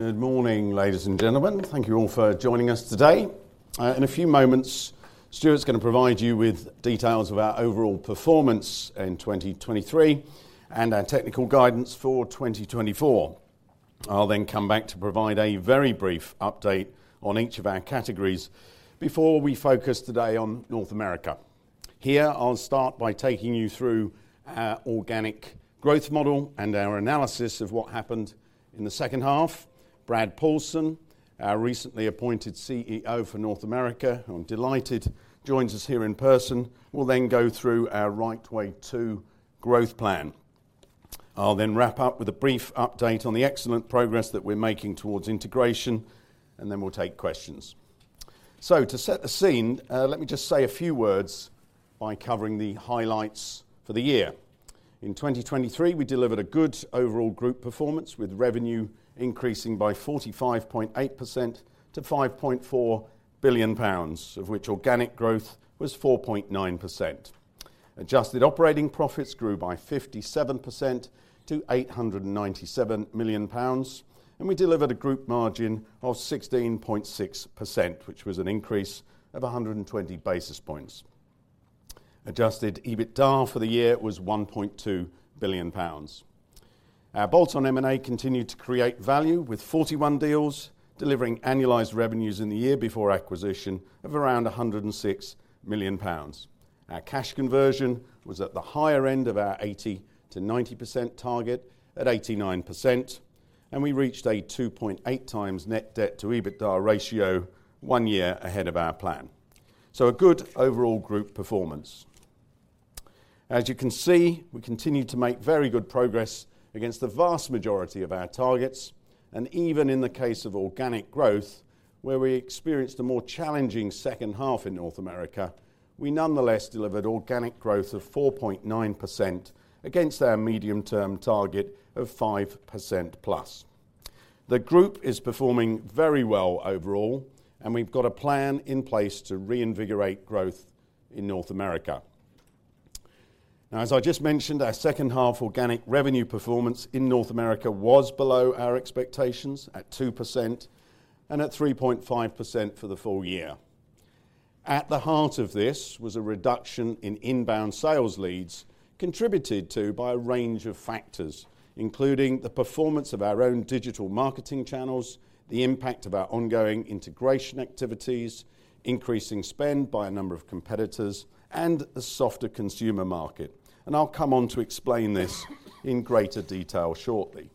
Good morning, ladies and gentlemen. Thank you all for joining us today. In a few moments, Stuart's going to provide you with details of our overall performance in 2023 and our technical guidance for 2024. I'll then come back to provide a very brief update on each of our categories before we focus today on North America. Here I'll start by taking you through our organic growth model and our analysis of what happened in the H2. Brad Paulsen, our recently appointed CEO for North America, who I'm delighted joins us here in person, will then go through our Right Way 2 growth plan. I'll then wrap up with a brief update on the excellent progress that we're making towards integration, and then we'll take questions. To set the scene, let me just say a few words by covering the highlights for the year In 2023, we delivered a good overall group performance with revenue increasing by 45.8% to 5.4 billion pounds, of which organic growth was 4.9%. Adjusted operating profits grew by 57% to 897 million pounds, and we delivered a group margin of 16.6%, which was an increase of 120 basis points. Adjusted EBITDA for the year was 1.2 billion pounds. Our bolt-on M&A continued to create value with 41 deals, delivering annualized revenues in the year before acquisition of around 106 million pounds. Our cash conversion was at the higher end of our 80%-90% target at 89%, and we reached a 2.8x net debt to EBITDA ratio one year ahead of our plan. A good overall group performance. As you can see, we continued to make very good progress against the vast majority of our targets, and even in the case of organic growth, where we experienced a more challenging H2 in North America, we nonetheless delivered organic growth of 4.9% against our medium-term target of 5%+. The group is performing very well overall, and we've got a plan in place to reinvigorate growth in North America. Now, as I just mentioned, our H2 organic revenue performance in North America was below our expectations at 2% and at 3.5% for the full year. At the heart of this was a reduction in inbound sales leads contributed to by a range of factors, including the performance of our own digital marketing channels, the impact of our ongoing integration activities, increasing spend by a number of competitors, and a softer consumer market. I'll come on to explain this in greater detail shortly.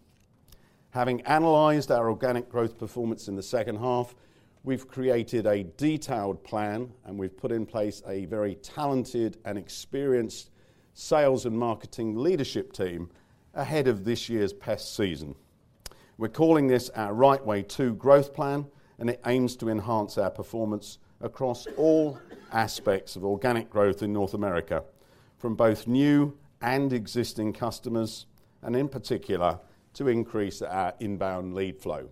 Having analyzed our organic growth performance in the H2, we've created a detailed plan, and we've put in place a very talented and experienced sales and marketing leadership team ahead of this year's pest season. We're calling this our Right Way 2 growth plan, and it aims to enhance our performance across all aspects of organic growth in North America, from both new and existing customers, and in particular to increase our inbound lead flow.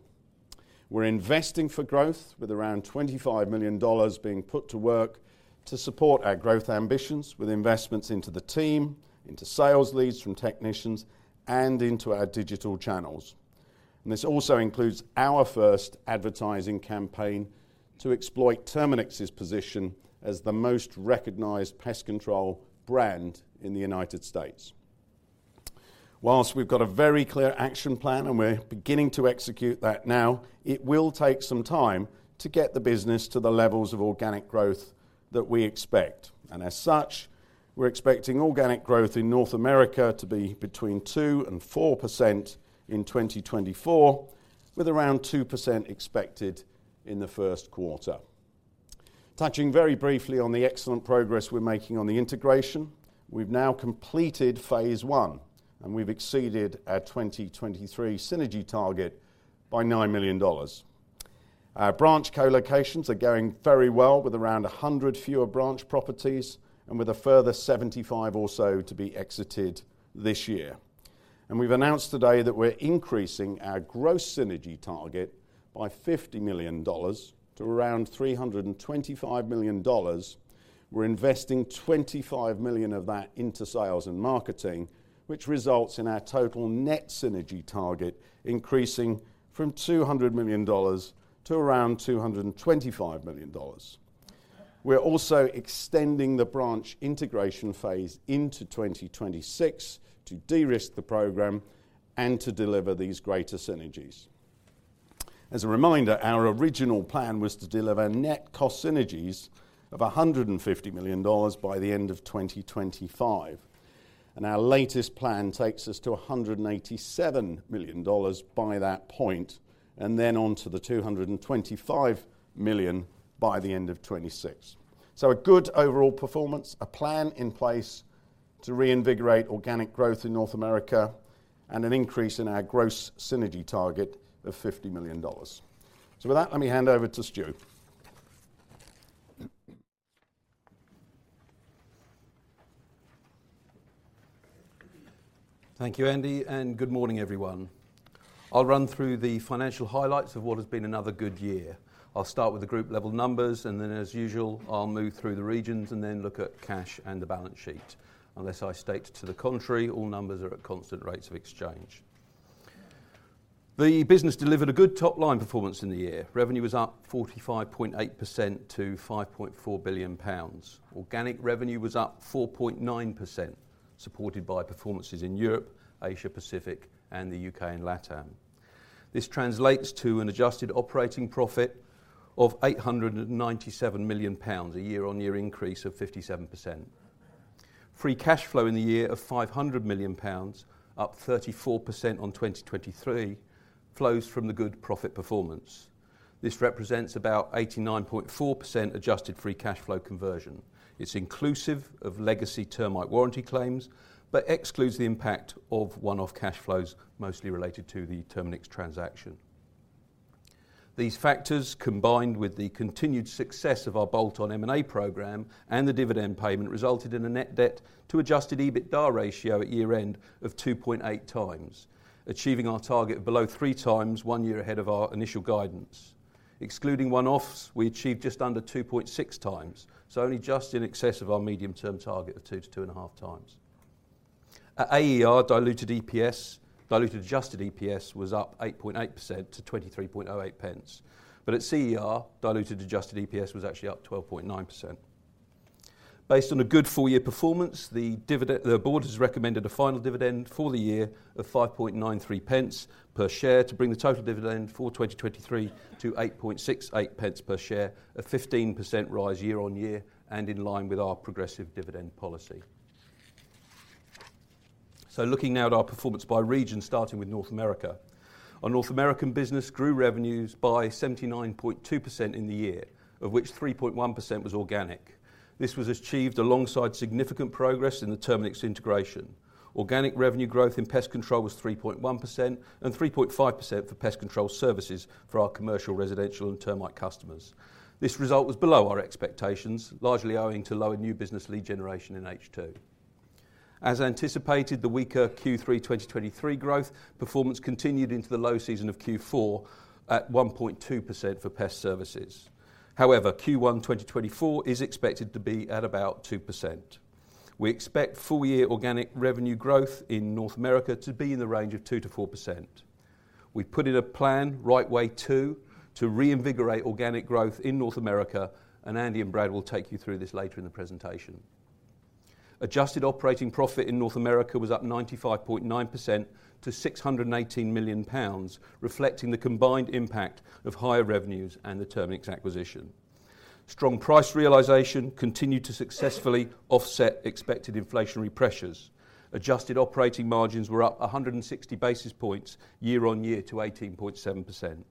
We're investing for growth, with around $25 million being put to work to support our growth ambitions with investments into the team, into sales leads from technicians, and into our digital channels. This also includes our first advertising campaign to exploit Terminix's position as the most recognized pest control brand in the United States. While we've got a very clear action plan, and we're beginning to execute that now, it will take some time to get the business to the levels of organic growth that we expect. As such, we're expecting organic growth in North America to be between 2%-4% in 2024, with around 2% expected in the Q1. Touching very briefly on the excellent progress we're making on the integration, we've now completed phase one, and we've exceeded our 2023 synergy target by $9 million. Our branch co-locations are going very well, with around 100 fewer branch properties and with a further 75 or so to be exited this year. We've announced today that we're increasing our gross synergy target by $50 million to around $325 million. We're investing $25 million of that into sales and marketing, which results in our total net synergy target increasing from $200 million to around $225 million. We're also extending the branch integration phase into 2026 to de-risk the program and to deliver these greater synergies. As a reminder, our original plan was to deliver net cost synergies of $150 million by the end of 2025, and our latest plan takes us to $187 million by that point and then onto the $225 million by the end of 2026. So a good overall performance, a plan in place to reinvigorate organic growth in North America, and an increase in our gross synergy target of $50 million. So with that, let me hand over to Stuart. Thank you, Andy, and good morning, everyone. I'll run through the financial highlights of what has been another good year. I'll start with the group-level numbers, and then as usual, I'll move through the regions and then look at cash and the balance sheet. Unless I state to the contrary, all numbers are at constant rates of exchange. The business delivered a good top-line performance in the year. Revenue was up 45.8% to 5.4 billion pounds. Organic revenue was up 4.9%, supported by performances in Europe, Asia, Pacific, and the U.K. and LATAM. This translates to an adjusted operating profit of 897 million pounds, a year-on-year increase of 57%. Free cash flow in the year of 500 million pounds, up 34% on 2023, flows from the good profit performance. This represents about 89.4% adjusted free cash flow conversion. It's inclusive of legacy termite warranty claims but excludes the impact of one-off cash flows mostly related to the Terminix transaction. These factors, combined with the continued success of our bolt-on M&A program and the dividend payment, resulted in a net debt to adjusted EBITDA ratio at year-end of 2.8x, achieving our target of below 3x 1 year ahead of our initial guidance. Excluding one-offs, we achieved just under 2.6x, so only just in excess of our medium-term target of 2-2.5x. At AER, diluted EPS, diluted adjusted EPS was up 8.8% to 0.2308, but at CER, diluted adjusted EPS was actually up 12.9%. Based on a good full-year performance, the Board has recommended a final dividend for the year of 5.93 pence per share to bring the total dividend for 2023 to 8.68 pence per share, a 15% rise year-on-year and in line with our progressive dividend policy. So looking now at our performance by region, starting with North America, our North American business grew revenues by 79.2% in the year, of which 3.1% was organic. This was achieved alongside significant progress in the Terminix integration. Organic revenue growth in pest control was 3.1% and 3.5% for pest control services for our commercial, residential, and termite customers. This result was below our expectations, largely owing to lower new business lead generation in H2. As anticipated, the weaker Q3 2023 growth performance continued into the low season of Q4 at 1.2% for pest services. However, Q1 2024 is expected to be at about 2%. We expect full-year organic revenue growth in North America to be in the range of 2%-4%. We've put in a plan, Right Way 2, to reinvigorate organic growth in North America, and Andy and Brad will take you through this later in the presentation. Adjusted Operating Profit in North America was up 95.9% to 618 million pounds, reflecting the combined impact of higher revenues and the Terminix acquisition. Strong price realization continued to successfully offset expected inflationary pressures. Adjusted operating margins were up 160 basis points year-on-year to 18.7%.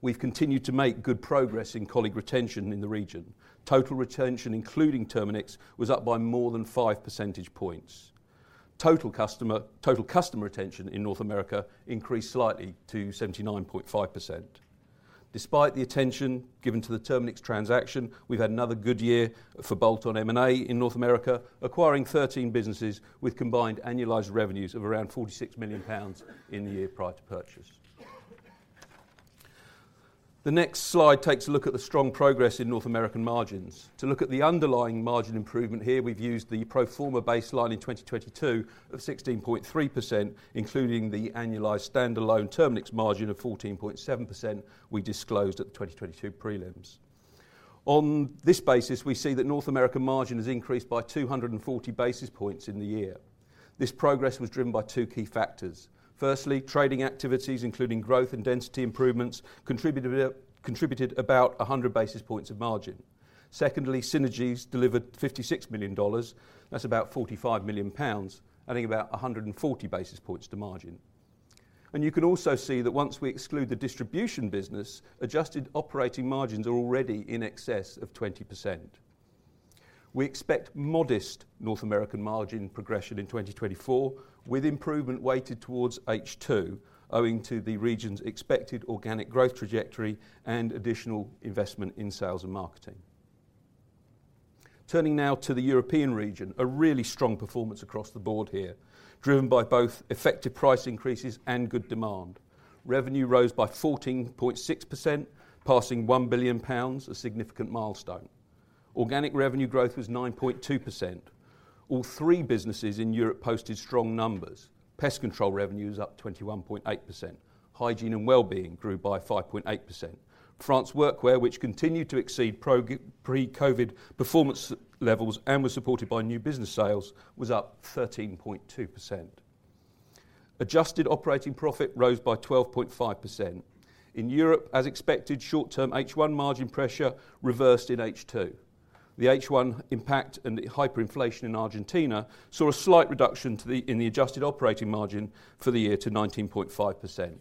We've continued to make good progress in colleague retention in the region. Total retention, including Terminix, was up by more than five percentage points. Total customer retention in North America increased slightly to 79.5%. Despite the attention given to the Terminix transaction, we've had another good year for bolt-on M&A in North America, acquiring 13 businesses with combined annualized revenues of around 46 million pounds in the year prior to purchase. The next slide takes a look at the strong progress in North American margins. To look at the underlying margin improvement here, we've used the pro forma baseline in 2022 of 16.3%, including the annualized standalone Terminix margin of 14.7% we disclosed at the 2022 prelims. On this basis, we see that North American margin has increased by 240 basis points in the year. This progress was driven by two key factors. Firstly, trading activities, including growth and density improvements, contributed about 100 basis points of margin. Secondly, synergies delivered $56 million. That's about 45 million pounds, adding about 140 basis points to margin. You can also see that once we exclude the distribution business, adjusted operating margins are already in excess of 20%. We expect modest North American margin progression in 2024, with improvement weighted towards H2, owing to the region's expected organic growth trajectory and additional investment in sales and marketing. Turning now to the European region, a really strong performance across the board here, driven by both effective price increases and good demand. Revenue rose by 14.6%, passing GBP 1 billion, a significant milestone. Organic revenue growth was 9.2%. All three businesses in Europe posted strong numbers. Pest control revenue was up 21.8%. Hygiene and Well-being grew by 5.8%. France Workwear, which continued to exceed pre-COVID performance levels and was supported by new business sales, was up 13.2%. Adjusted operating profit rose by 12.5%. In Europe, as expected, short-term H1 margin pressure reversed in H2. The H1 impact and hyperinflation in Argentina saw a slight reduction in the adjusted operating margin for the year to 19.5%.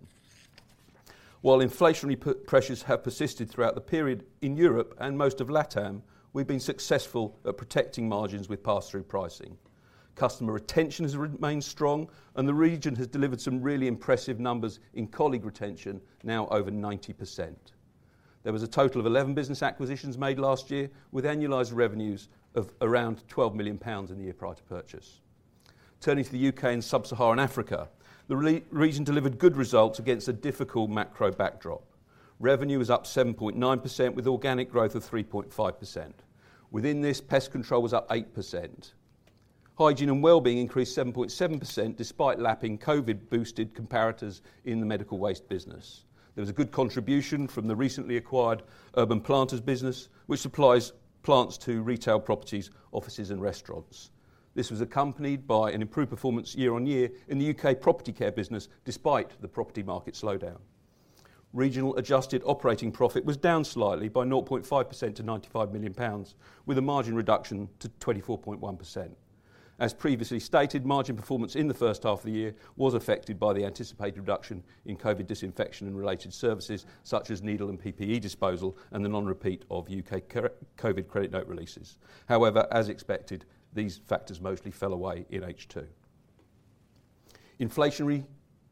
While inflationary pressures have persisted throughout the period in Europe and most of LATAM, we've been successful at protecting margins with pass-through pricing. Customer retention has remained strong, and the region has delivered some really impressive numbers in colleague retention, now over 90%. There was a total of 11 business acquisitions made last year, with annualized revenues of around 12 million pounds in the year prior to purchase. Turning to the U.K. and Sub-Saharan Africa, the region delivered good results against a difficult macro backdrop. Revenue was up 7.9%, with organic growth of 3.5%. Within this, pest control was up 8%. Hygiene and Well-being increased 7.7% despite lapping COVID-boosted comparators in the medical waste business. There was a good contribution from the recently acquired Urban Planters business, which supplies plants to retail properties, offices, and restaurants. This was accompanied by an improved performance year-on-year in the U.K. property care business despite the property market slowdown. Regional Adjusted Operating Profit was down slightly by 0.5% to 95 million pounds, with a margin reduction to 24.1%. As previously stated, margin performance in the H1 of the year was affected by the anticipated reduction in COVID disinfection and related services, such as needle and PPE disposal and the non-repeat of U.K. COVID credit note releases. However, as expected, these factors mostly fell away in H2. Inflationary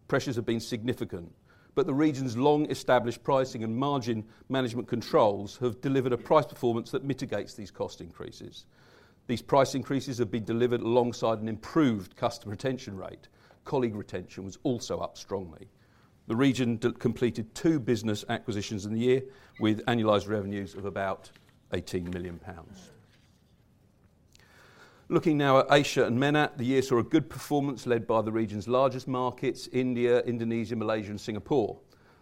pressures have been significant, but the region's long-established pricing and margin management controls have delivered a price performance that mitigates these cost increases. These price increases have been delivered alongside an improved customer retention rate. Colleague retention was also up strongly. The region completed 2 business acquisitions in the year, with annualized revenues of about 18 million pounds. Looking now at Asia and MENAT, the year saw a good performance led by the region's largest markets, India, Indonesia, Malaysia, and Singapore.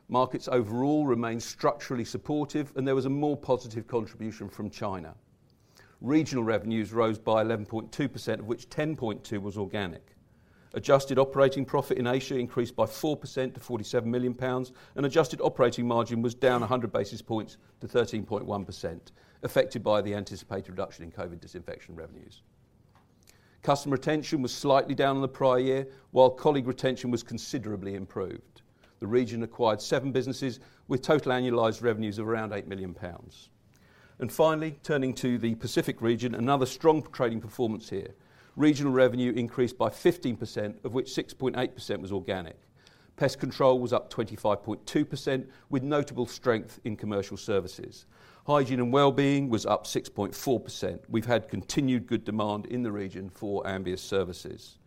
Markets overall remained structurally supportive, and there was a more positive contribution from China. Regional revenues rose by 11.2%, of which 10.2% was organic. Adjusted operating profit in Asia increased by 4% to 47 million pounds, and adjusted operating margin was down 100 basis points to 13.1%, affected by the anticipated reduction in COVID disinfection revenues. Customer retention was slightly down on the prior year, while colleague retention was considerably improved. The region acquired 7 businesses, with total annualized revenues of around 8 million pounds. Finally, turning to the Pacific region, another strong trading performance here. Regional revenue increased by 15%, of which 6.8% was organic. Pest control was up 25.2%, with notable strength in commercial services. Hygiene and Well-being was up 6.4%. We've had continued good demand in the region for Ambius services.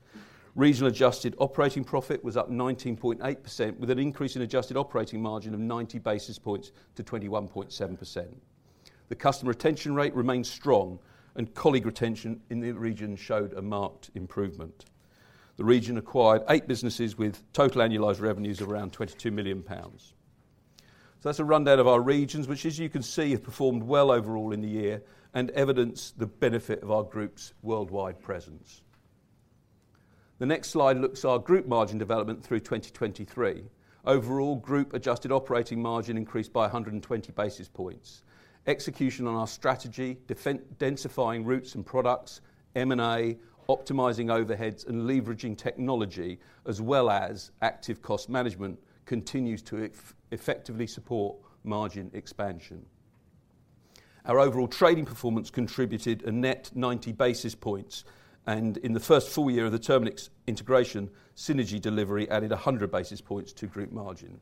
Regional adjusted operating profit was up 19.8%, with an increase in adjusted operating margin of 90 basis points to 21.7%. The customer retention rate remained strong, and colleague retention in the region showed a marked improvement. The region acquired eight businesses, with total annualized revenues of around 22 million pounds. So that's a rundown of our regions, which, as you can see, have performed well overall in the year and evidence the benefit of our group's worldwide presence. The next slide looks at our group margin development through 2023. Overall, group adjusted operating margin increased by 120 basis points. Execution on our strategy, defending densifying routes and products, M&A, optimizing overheads, and leveraging technology, as well as active cost management, continues to effectively support margin expansion. Our overall trading performance contributed a net 90 basis points, and in the first full year of the Terminix integration, synergy delivery added 100 basis points to group margin.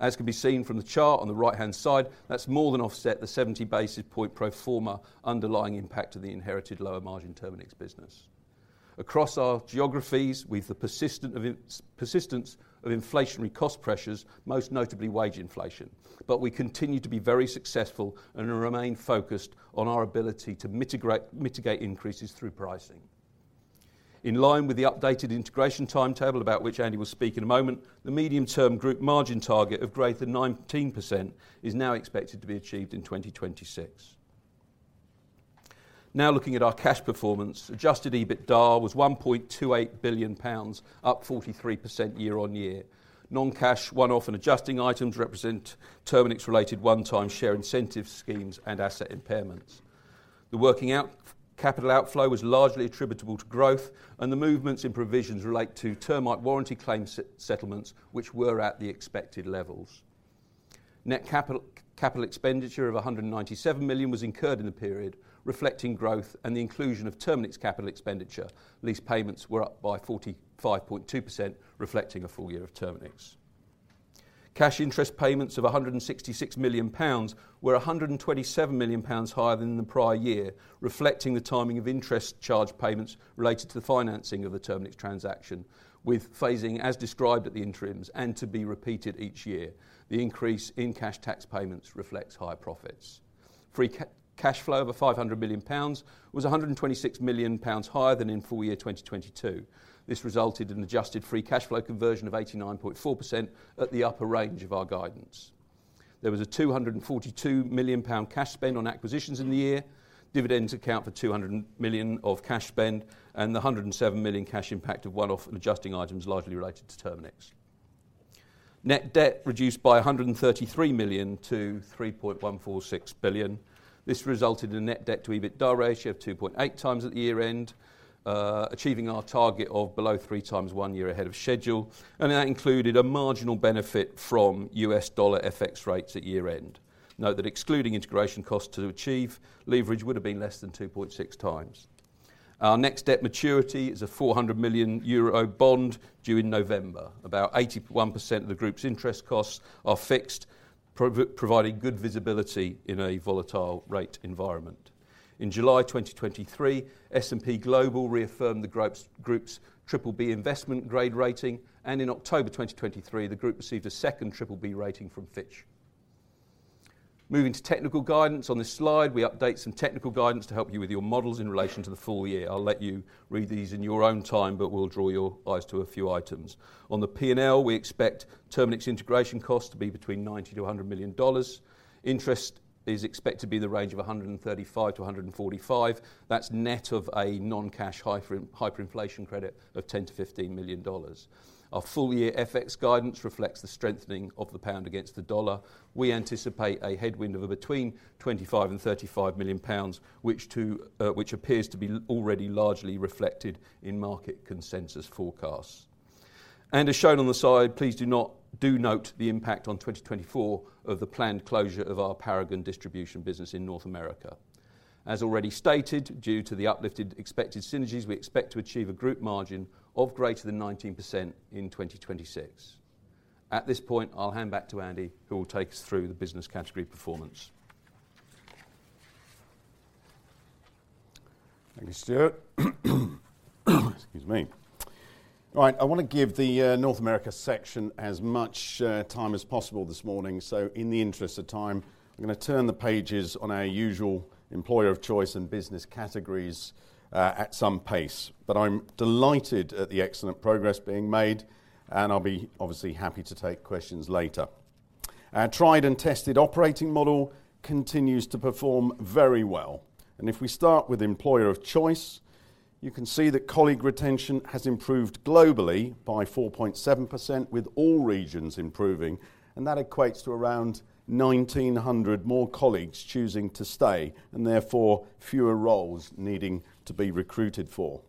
As can be seen from the chart on the right-hand side, that's more than offset the 70 basis point pro forma underlying impact of the inherited lower margin Terminix business. Across our geographies, with the persistence of inflationary cost pressures, most notably wage inflation, but we continue to be very successful and remain focused on our ability to mitigate increases through pricing. In line with the updated integration timetable about which Andy will speak in a moment, the medium-term group margin target of greater than 19% is now expected to be achieved in 2026. Now looking at our cash performance, Adjusted EBITDA was 1.28 billion pounds, up 43% year-over-year. Non-cash, one-off, and adjusting items represent Terminix-related one-time share incentive schemes and asset impairments. The working capital outflow was largely attributable to growth, and the movements in provisions relate to termite warranty claim settlements, which were at the expected levels. Net capital expenditure of 197 million was incurred in the period, reflecting growth and the inclusion of Terminix capital expenditure. Lease payments were up by 45.2%, reflecting a full year of Terminix. Cash interest payments of 166 million pounds were 127 million pounds higher than in the prior year, reflecting the timing of interest charge payments related to the financing of the Terminix transaction, with phasing as described at the interims and to be repeated each year. The increase in cash tax payments reflects high profits. Free cash flow of 500 million pounds was 126 million pounds higher than in full year 2022. This resulted in adjusted free cash flow conversion of 89.4% at the upper range of our guidance. There was a 242 million pound cash spend on acquisitions in the year. Dividends account for 200 million of cash spend and the 107 million cash impact of one-off and adjusting items largely related to Terminix. Net debt reduced by 133 million to 3.146 billion. This resulted in a net debt-to-EBITDA ratio of 2.8x at the year-end, achieving our target of below 3x one year ahead of schedule, and that included a marginal benefit from U.S. dollar FX rates at year-end. Note that excluding integration costs to achieve leverage would have been less than 2.6x. Our next debt maturity is a 400 million euro bond due in November. About 81% of the group's interest costs are fixed, providing good visibility in a volatile rate environment. In July 2023, S&P Global reaffirmed the group's BBB investment grade rating, and in October 2023, the group received a second BBB rating from Fitch. Moving to technical guidance, on this slide we update some technical guidance to help you with your models in relation to the full year. I'll let you read these in your own time, but we'll draw your eyes to a few items. On the P&L, we expect Terminix integration costs to be between $90 million-$100 million. Interest is expected to be in the range of $135-$145. That's net of a non-cash hyperinflation credit of $10 million-$15 million. Our full year FX guidance reflects the strengthening of the pound against the dollar. We anticipate a headwind of between 25 million and 35 million pounds, which appears to be already largely reflected in market consensus forecasts. As shown on the side, please do note the impact on 2024 of the planned closure of our Paragon distribution business in North America. As already stated, due to the uplifted expected synergies, we expect to achieve a group margin of greater than 19% in 2026. At this point, I'll hand back to Andy, who will take us through the business category performance. Thank you, Stuart. Excuse me. Right, I want to give the North America section as much time as possible this morning, so in the interest of time, I'm going to turn the pages on our usual employer of choice and business categories at some pace. I'm delighted at the excellent progress being made, and I'll be obviously happy to take questions later. Our tried and tested operating model continues to perform very well. If we start with employer of choice, you can see that colleague retention has improved globally by 4.7%, with all regions improving, and that equates to around 1,900 more colleagues choosing to stay and therefore fewer roles needing to be recruited for.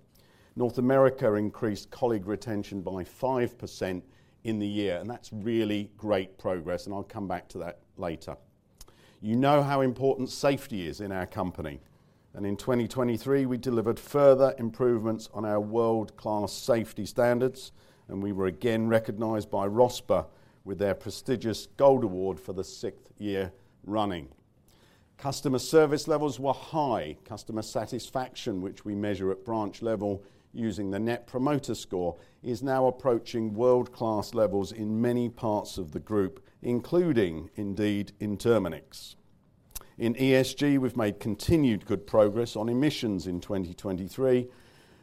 North America increased colleague retention by 5% in the year, and that's really great progress, and I'll come back to that later. You know how important safety is in our company. In 2023, we delivered further improvements on our world-class safety standards, and we were again recognized by RoSPA with their prestigious Gold Award for the sixth year running. Customer service levels were high. Customer satisfaction, which we measure at branch level using the Net Promoter Score, is now approaching world-class levels in many parts of the group, including indeed in Terminix. In ESG, we've made continued good progress on emissions in 2023,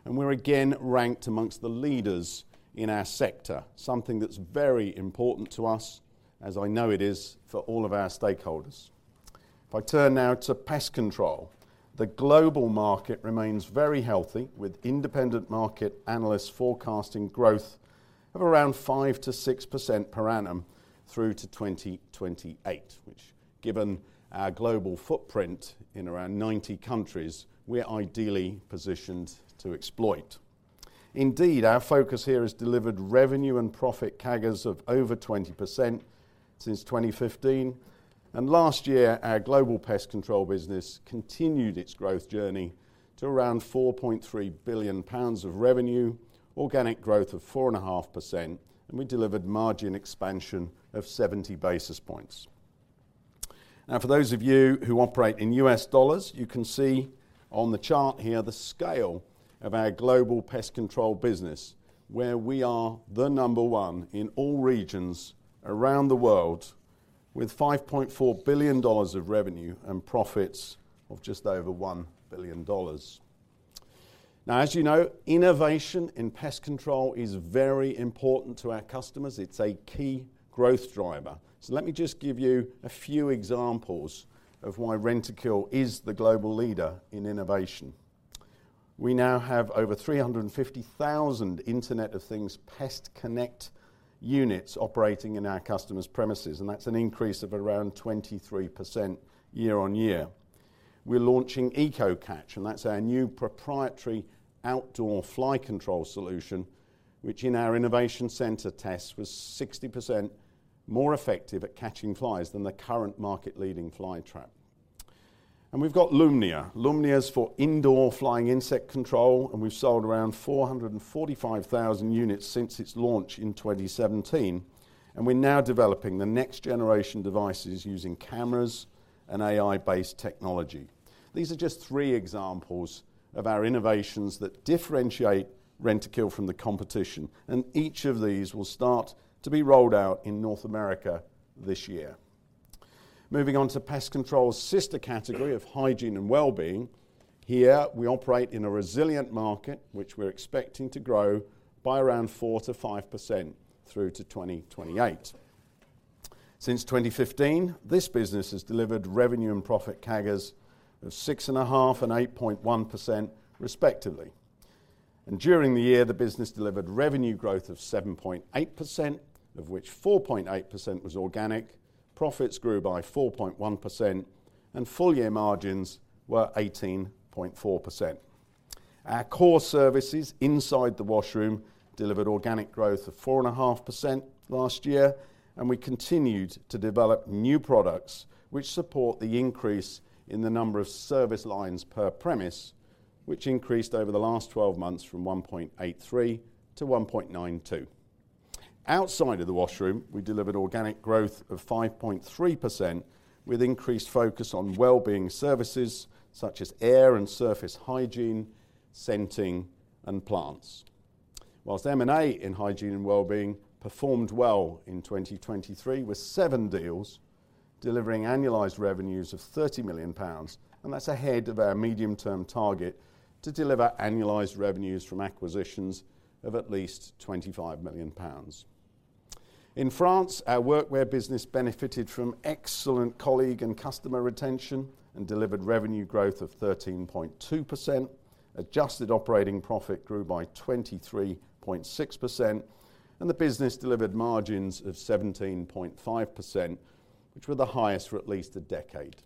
and we're again ranked among the leaders in our sector, something that's very important to us, as I know it is for all of our stakeholders. If I turn now to pest control, the global market remains very healthy, with independent market analysts forecasting growth of around 5%-6% per annum through to 2028, which, given our global footprint in around 90 countries, we're ideally positioned to exploit. Indeed, our focus here has delivered revenue and profit CAGRs of over 20% since 2015, and last year our global pest control business continued its growth journey to around 4.3 billion pounds of revenue, organic growth of 4.5%, and we delivered margin expansion of 70 basis points. Now, for those of you who operate in U.S. dollars, you can see on the chart here the scale of our global pest control business, where we are the number one in all regions around the world, with $5.4 billion of revenue and profits of just over $1 billion. Now, as you know, innovation in pest control is very important to our customers. It's a key growth driver. So let me just give you a few examples of why Rentokil is the global leader in innovation. We now have over 350,000 Internet of Things PestConnect units operating in our customers' premises, and that's an increase of around 23% year-on-year. We're launching EcoCatch, and that's our new proprietary outdoor fly control solution, which in our innovation center tests was 60% more effective at catching flies than the current market-leading fly trap. And we've got Lumnia. Lumnia is for indoor flying insect control, and we've sold around 445,000 units since its launch in 2017, and we're now developing the next generation devices using cameras and AI-based technology. These are just three examples of our innovations that differentiate Rentokil from the competition, and each of these will start to be rolled out in North America this year. Moving on to pest control's sister category of hygiene and wellbeing, here we operate in a resilient market, which we're expecting to grow by around 4%-5% through to 2028. Since 2015, this business has delivered revenue and profit CAGRs of 6.5% and 8.1%, respectively. During the year, the business delivered revenue growth of 7.8%, of which 4.8% was organic. Profits grew by 4.1%, and full year margins were 18.4%. Our core services inside the washroom delivered organic growth of 4.5% last year, and we continued to develop new products which support the increase in the number of service lines per premise, which increased over the last 12 months from 1.83 to 1.92. Outside of the washroom, we delivered organic growth of 5.3%, with increased focus on well-being services such as air and surface hygiene, scenting, and plants. While M&A in hygiene and well-being performed well in 2023 with seven deals, delivering annualized revenues of 30 million pounds, and that's ahead of our medium-term target to deliver annualized revenues from acquisitions of at least 25 million pounds. In France, our workwear business benefited from excellent colleague and customer retention and delivered revenue growth of 13.2%. Adjusted Operating Profit grew by 23.6%, and the business delivered margins of 17.5%, which were the highest for at least a decade.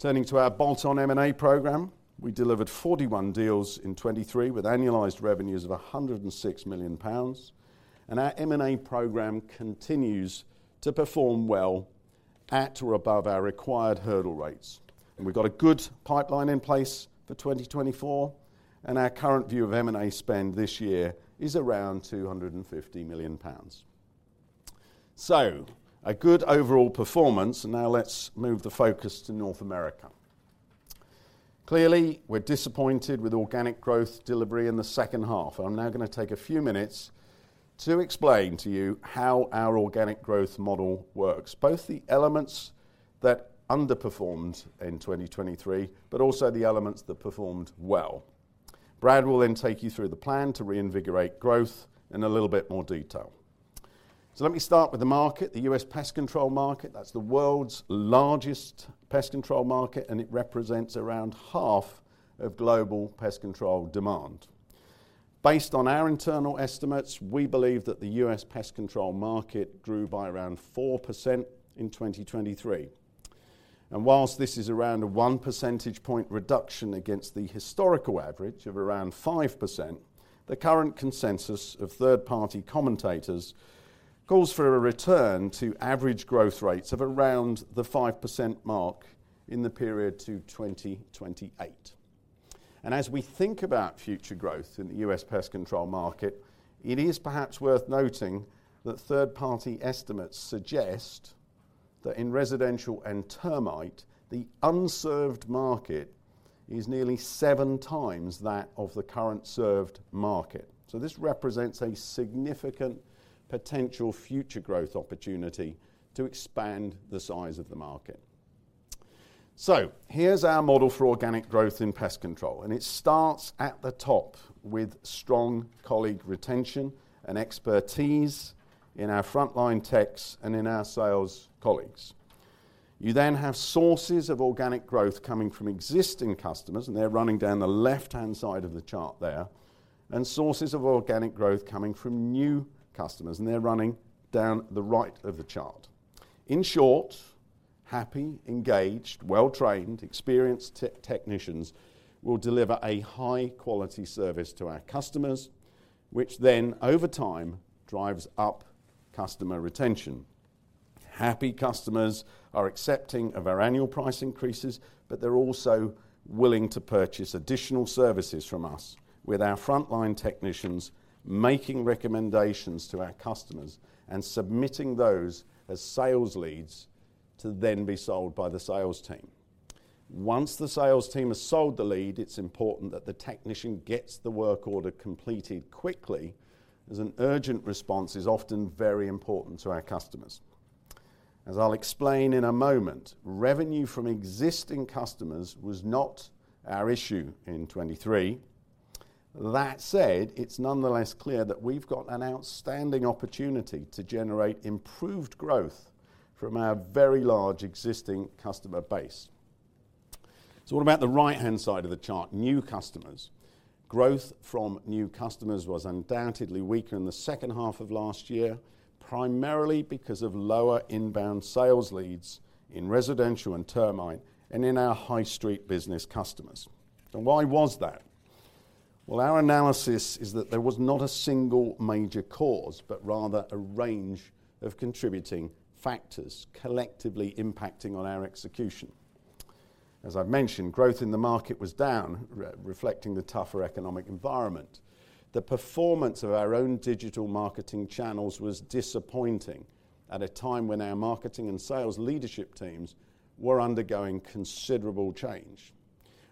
Turning to our bolt-on M&A program, we delivered 41 deals in 2023 with annualized revenues of 106 million pounds, and our M&A program continues to perform well at or above our required hurdle rates. We've got a good pipeline in place for 2024, and our current view of M&A spend this year is around 250 million pounds. A good overall performance, and now let's move the focus to North America. Clearly, we're disappointed with organic growth delivery in the H2, and I'm now going to take a few minutes to explain to you how our organic growth model works, both the elements that underperformed in 2023 but also the elements that performed well. Brad will then take you through the plan to reinvigorate growth in a little bit more detail. Let me start with the market, the U.S. pest control market. That's the world's largest pest control market, and it represents around half of global pest control demand. Based on our internal estimates, we believe that the U.S. pest control market grew by around 4% in 2023. While this is around a one percentage point reduction against the historical average of around 5%, the current consensus of third-party commentators calls for a return to average growth rates of around the 5% mark in the period to 2028. As we think about future growth in the U.S. pest control market, it is perhaps worth noting that third-party estimates suggest that in residential and termite, the unserved market is nearly 7x that of the current served market. This represents a significant potential future growth opportunity to expand the size of the market. Here's our model for organic growth in pest control, and it starts at the top with strong colleague retention and expertise in our frontline techs and in our sales colleagues. You then have sources of organic growth coming from existing customers, and they're running down the left-hand side of the chart there, and sources of organic growth coming from new customers, and they're running down the right of the chart. In short, happy, engaged, well-trained, experienced technicians will deliver a high-quality service to our customers, which then over time drives up customer retention. Happy customers are accepting of our annual price increases, but they're also willing to purchase additional services from us, with our frontline technicians making recommendations to our customers and submitting those as sales leads to then be sold by the sales team. Once the sales team has sold the lead, it's important that the technician gets the work order completed quickly, as an urgent response is often very important to our customers. As I'll explain in a moment, revenue from existing customers was not our issue in 2023. That said, it's nonetheless clear that we've got an outstanding opportunity to generate improved growth from our very large existing customer base. So what about the right-hand side of the chart, new customers? Growth from new customers was undoubtedly weaker in the H2 of last year, primarily because of lower inbound sales leads in residential and termite and in our high street business customers. And why was that? Well, our analysis is that there was not a single major cause but rather a range of contributing factors collectively impacting on our execution. As I've mentioned, growth in the market was down, reflecting the tougher economic environment. The performance of our own digital marketing channels was disappointing at a time when our marketing and sales leadership teams were undergoing considerable change.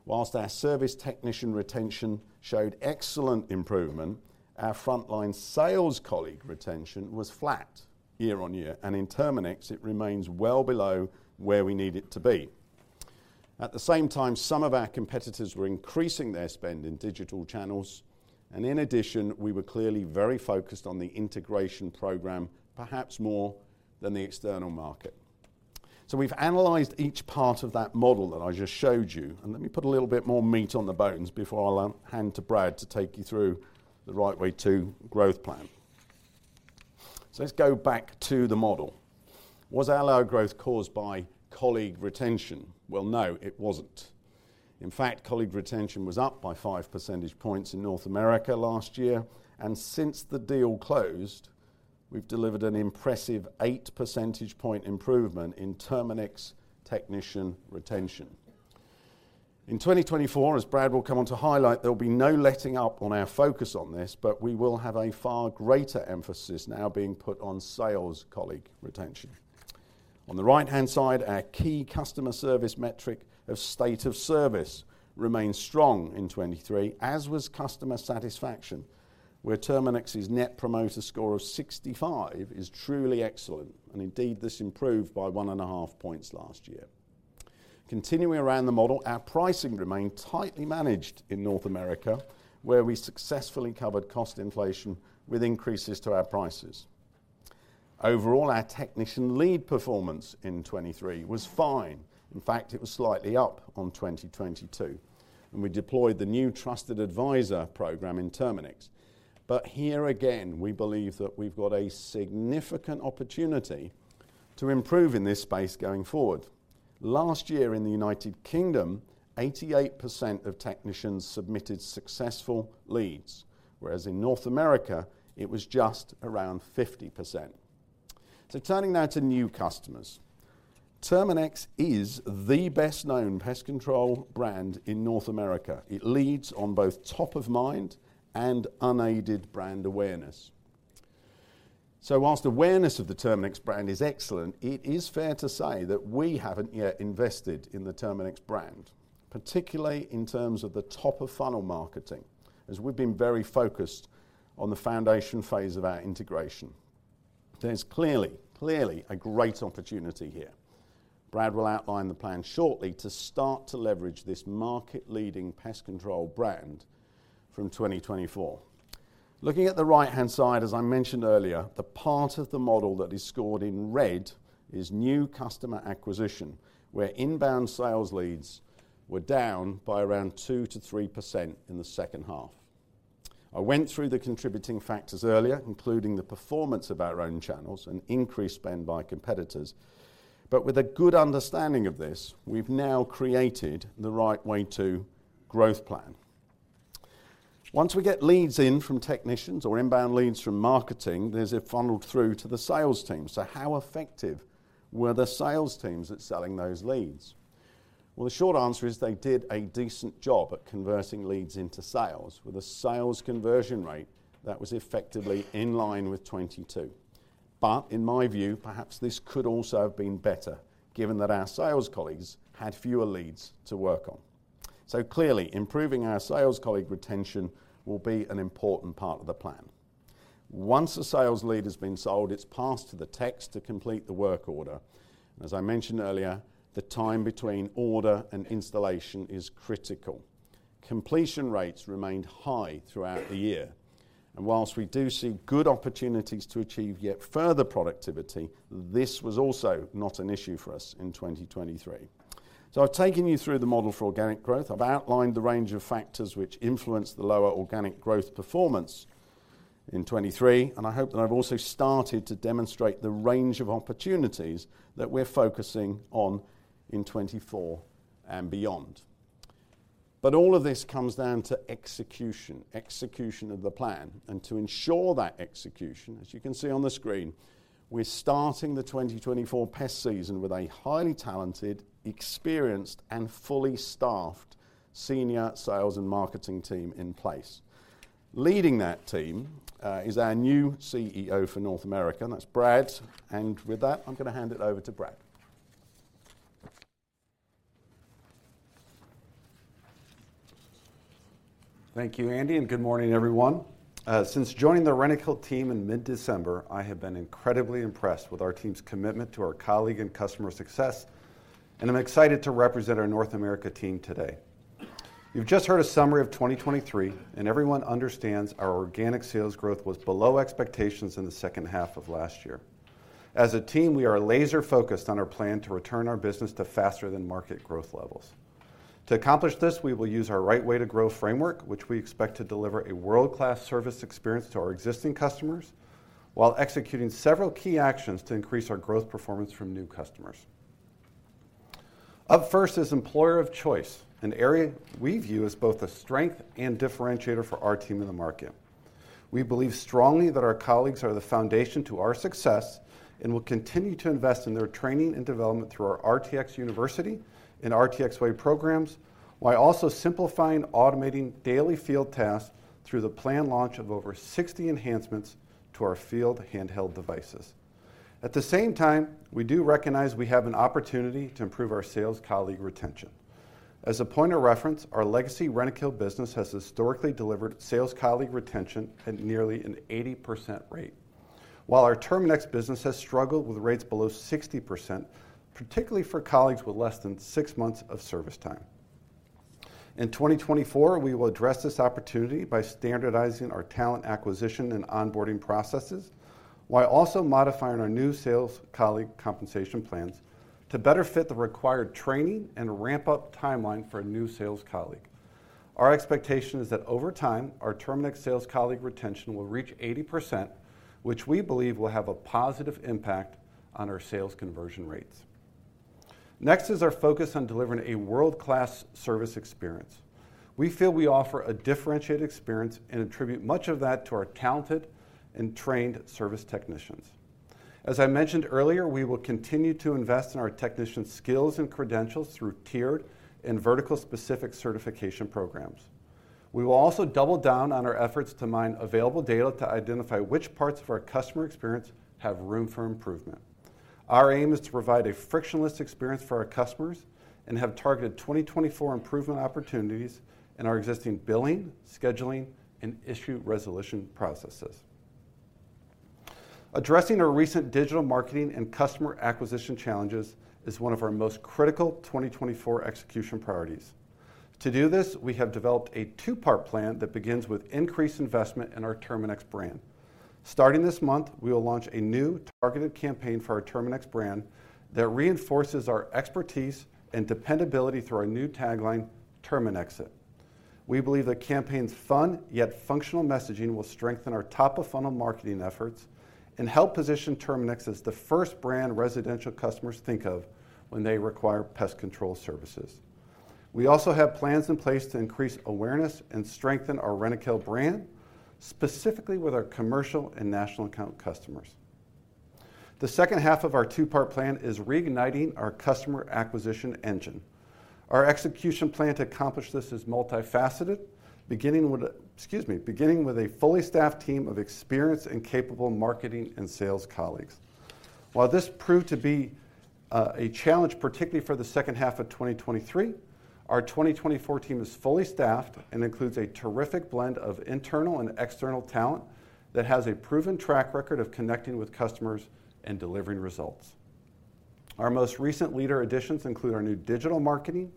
While our service technician retention showed excellent improvement, our frontline sales colleague retention was flat year-over-year, and in Terminix it remains well below where we need it to be. At the same time, some of our competitors were increasing their spend in digital channels, and in addition, we were clearly very focused on the integration program perhaps more than the external market. So we've analysed each part of that model that I just showed you, and let me put a little bit more meat on the bones before I'll hand to Brad to take you through the Right Way 2 growth plan. So let's go back to the model, was our low growth caused by colleague retention? Well, no, it wasn't. In fact, colleague retention was up by 5 percentage points in North America last year, and since the deal closed, we've delivered an impressive 8 percentage point improvement in Terminix technician retention. In 2024, as Brad will come on to highlight, there'll be no letting up on our focus on this, but we will have a far greater emphasis now being put on sales colleague retention. On the right-hand side, our key customer service metric of state of service remains strong in 2023, as was customer satisfaction, where Terminix's Net Promoter Score of 65 is truly excellent, and indeed this improved by 1.5 points last year. Continuing around the model, our pricing remained tightly managed in North America, where we successfully covered cost inflation with increases to our prices. Overall, our technician lead performance in 2023 was fine. In fact, it was slightly up on 2022, and we deployed the new Trusted Advisor program in Terminix. But here again, we believe that we've got a significant opportunity to improve in this space going forward. Last year in the United Kingdom, 88% of technicians submitted successful leads, whereas in North America it was just around 50%. So turning now to new customers, Terminix is the best-known pest control brand in North America. It leads on both top-of-mind and unaided brand awareness. So while awareness of the Terminix brand is excellent, it is fair to say that we haven't yet invested in the Terminix brand, particularly in terms of the top-of-funnel marketing, as we've been very focused on the foundation phase of our integration. There's clearly, clearly a great opportunity here. Brad will outline the plan shortly to start to leverage this market-leading pest control brand from 2024. Looking at the right-hand side, as I mentioned earlier, the part of the model that is scored in red is new customer acquisition, where inbound sales leads were down by around 2%-3% in the H2. I went through the contributing factors earlier, including the performance of our own channels and increased spend by competitors, but with a good understanding of this, we've now created the Right Way 2 growth plan. Once we get leads in from technicians or inbound leads from marketing, there's a funnel through to the sales teams. So how effective were the sales teams at selling those leads? Well, the short answer is they did a decent job at converting leads into sales, with a sales conversion rate that was effectively in line with 2022. But in my view, perhaps this could also have been better given that our sales colleagues had fewer leads to work on. So clearly, improving our sales colleague retention will be an important part of the plan. Once a sales lead has been sold, it's passed to the techs to complete the work order, and as I mentioned earlier, the time between order and installation is critical. Completion rates remained high throughout the year, and while we do see good opportunities to achieve yet further productivity, this was also not an issue for us in 2023. So I've taken you through the model for organic growth. I've outlined the range of factors which influence the lower organic growth performance in 2023, and I hope that I've also started to demonstrate the range of opportunities that we're focusing on in 2024 and beyond. But all of this comes down to execution, execution of the plan, and to ensure that execution, as you can see on the screen, we're starting the 2024 pest season with a highly talented, experienced, and fully staffed senior sales and marketing team in place. Leading that team is our new CEO for North America. That's Brad, and with that, I'm going to hand it over to Brad. Thank you, Andy, and good morning, everyone. Since joining the Rentokil team in mid-December, I have been incredibly impressed with our team's commitment to our colleague and customer success, and I'm excited to represent our North America team today. You've just heard a summary of 2023, and everyone understands our organic sales growth was below expectations in the H2 of last year. As a team, we are laser-focused on our plan to return our business to faster-than-market growth levels. To accomplish this, we will use our Right Way 2 grow framework, which we expect to deliver a world-class service experience to our existing customers while executing several key actions to increase our growth performance from new customers. Up first is employer of choice, an area we view as both a strength and differentiator for our team in the market. We believe strongly that our colleagues are the foundation to our success and will continue to invest in their training and development through our RTX University and RTX Way programs, while also simplifying and automating daily field tasks through the planned launch of over 60 enhancements to our field handheld devices. At the same time, we do recognize we have an opportunity to improve our sales colleague retention. As a point of reference, our legacy Rentokil business has historically delivered sales colleague retention at nearly an 80% rate, while our Terminix business has struggled with rates below 60%, particularly for colleagues with less than six months of service time. In 2024, we will address this opportunity by standardizing our talent acquisition and onboarding processes, while also modifying our new sales colleague compensation plans to better fit the required training and ramp-up timeline for a new sales colleague. Our expectation is that over time, our Terminix sales colleague retention will reach 80%, which we believe will have a positive impact on our sales conversion rates. Next is our focus on delivering a world-class service experience. We feel we offer a differentiated experience and attribute much of that to our talented and trained service technicians. As I mentioned earlier, we will continue to invest in our technicians' skills and credentials through tiered and vertical-specific certification programs. We will also double down on our efforts to mine available data to identify which parts of our customer experience have room for improvement. Our aim is to provide a frictionless experience for our customers and have targeted 2024 improvement opportunities in our existing billing, scheduling, and issue resolution processes. Addressing our recent digital marketing and customer acquisition challenges is one of our most critical 2024 execution priorities. To do this, we have developed a two-part plan that begins with increased investment in our Terminix brand. Starting this month, we will launch a new targeted campaign for our Terminix brand that reinforces our expertise and dependability through our new tagline "Terminix It." We believe the campaign's fun yet functional messaging will strengthen our top-of-funnel marketing efforts and help position Terminix as the first brand residential customers think of when they require pest control services. We also have plans in place to increase awareness and strengthen our Rentokil brand, specifically with our commercial and national account customers. The second half of our two-part plan is reigniting our customer acquisition engine. Our execution plan to accomplish this is multifaceted, beginning with a fully staffed team of experienced and capable marketing and sales colleagues. While this proved to be a challenge, particularly for the H2 of 2023, our 2024 team is fully staffed and includes a terrific blend of internal and external talent that has a proven track record of connecting with customers and delivering results. Our most recent leader additions include our new digital marketing,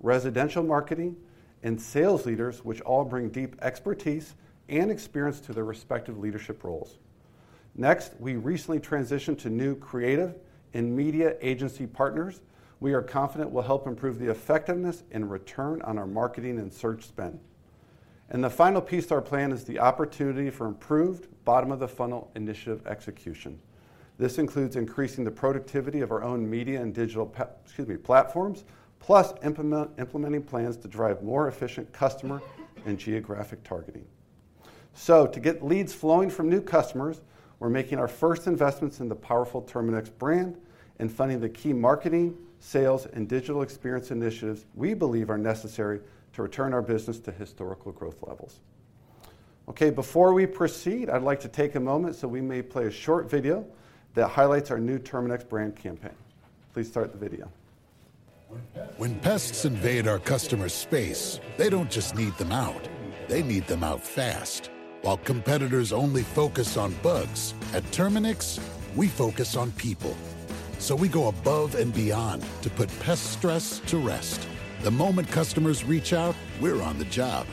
residential marketing, and sales leaders, which all bring deep expertise and experience to their respective leadership roles. Next, we recently transitioned to new creative and media agency partners we are confident will help improve the effectiveness and return on our marketing and search spend. The final piece to our plan is the opportunity for improved bottom-of-the-funnel initiative execution. This includes increasing the productivity of our own media and digital platforms, plus implementing plans to drive more efficient customer and geographic targeting. So to get leads flowing from new customers, we're making our first investments in the powerful Terminix brand and funding the key marketing, sales, and digital experience initiatives we believe are necessary to return our business to historical growth levels. Okay, before we proceed, I'd like to take a moment so we may play a short video that highlights our new Terminix brand campaign. Please start the video. When pests invade our customers' space, they don't just need them out, they need them out fast. While competitors only focus on bugs, at Terminix, we focus on people. So we go above and beyond to put pest stress to rest. The moment customers reach out, we're on the job.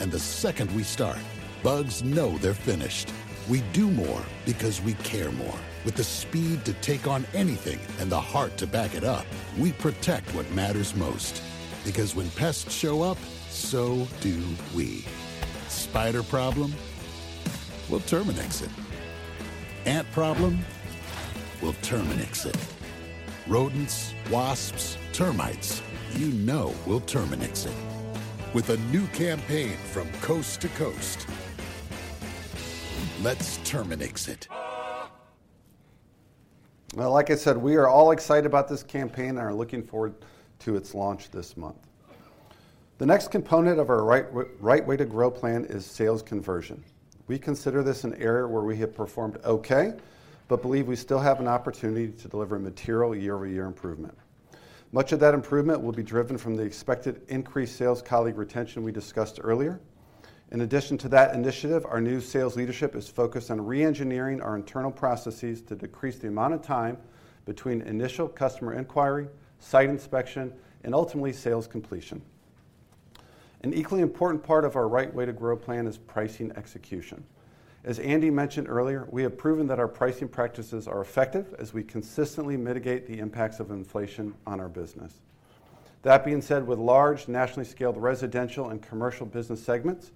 And the second we start, bugs know they're finished. We do more because we care more. With the speed to take on anything and the heart to back it up, we protect what matters most. Because when pests show up, so do we. Spider problem? We'll Terminix it it. Ant problem? We'll Terminix it. Rodents, wasps, termites? You know we'll Terminix it. With a new campaign from coast to coast, let's Terminix it. Well, like I said, we are all excited about this campaign and are looking forward to its launch this month. The next component of our Right Way 2 grow plan is sales conversion. We consider this an area where we have performed okay but believe we still have an opportunity to deliver material year-over-year improvement. Much of that improvement will be driven from the expected increased sales colleague retention we discussed earlier. In addition to that initiative, our new sales leadership is focused on re-engineering our internal processes to decrease the amount of time between initial customer inquiry, site inspection, and ultimately sales completion. An equally important part of our Right Way 2 grow plan is pricing execution. As Andy mentioned earlier, we have proven that our pricing practices are effective as we consistently mitigate the impacts of inflation on our business. That being said, with large, nationally scaled residential and commercial business segments,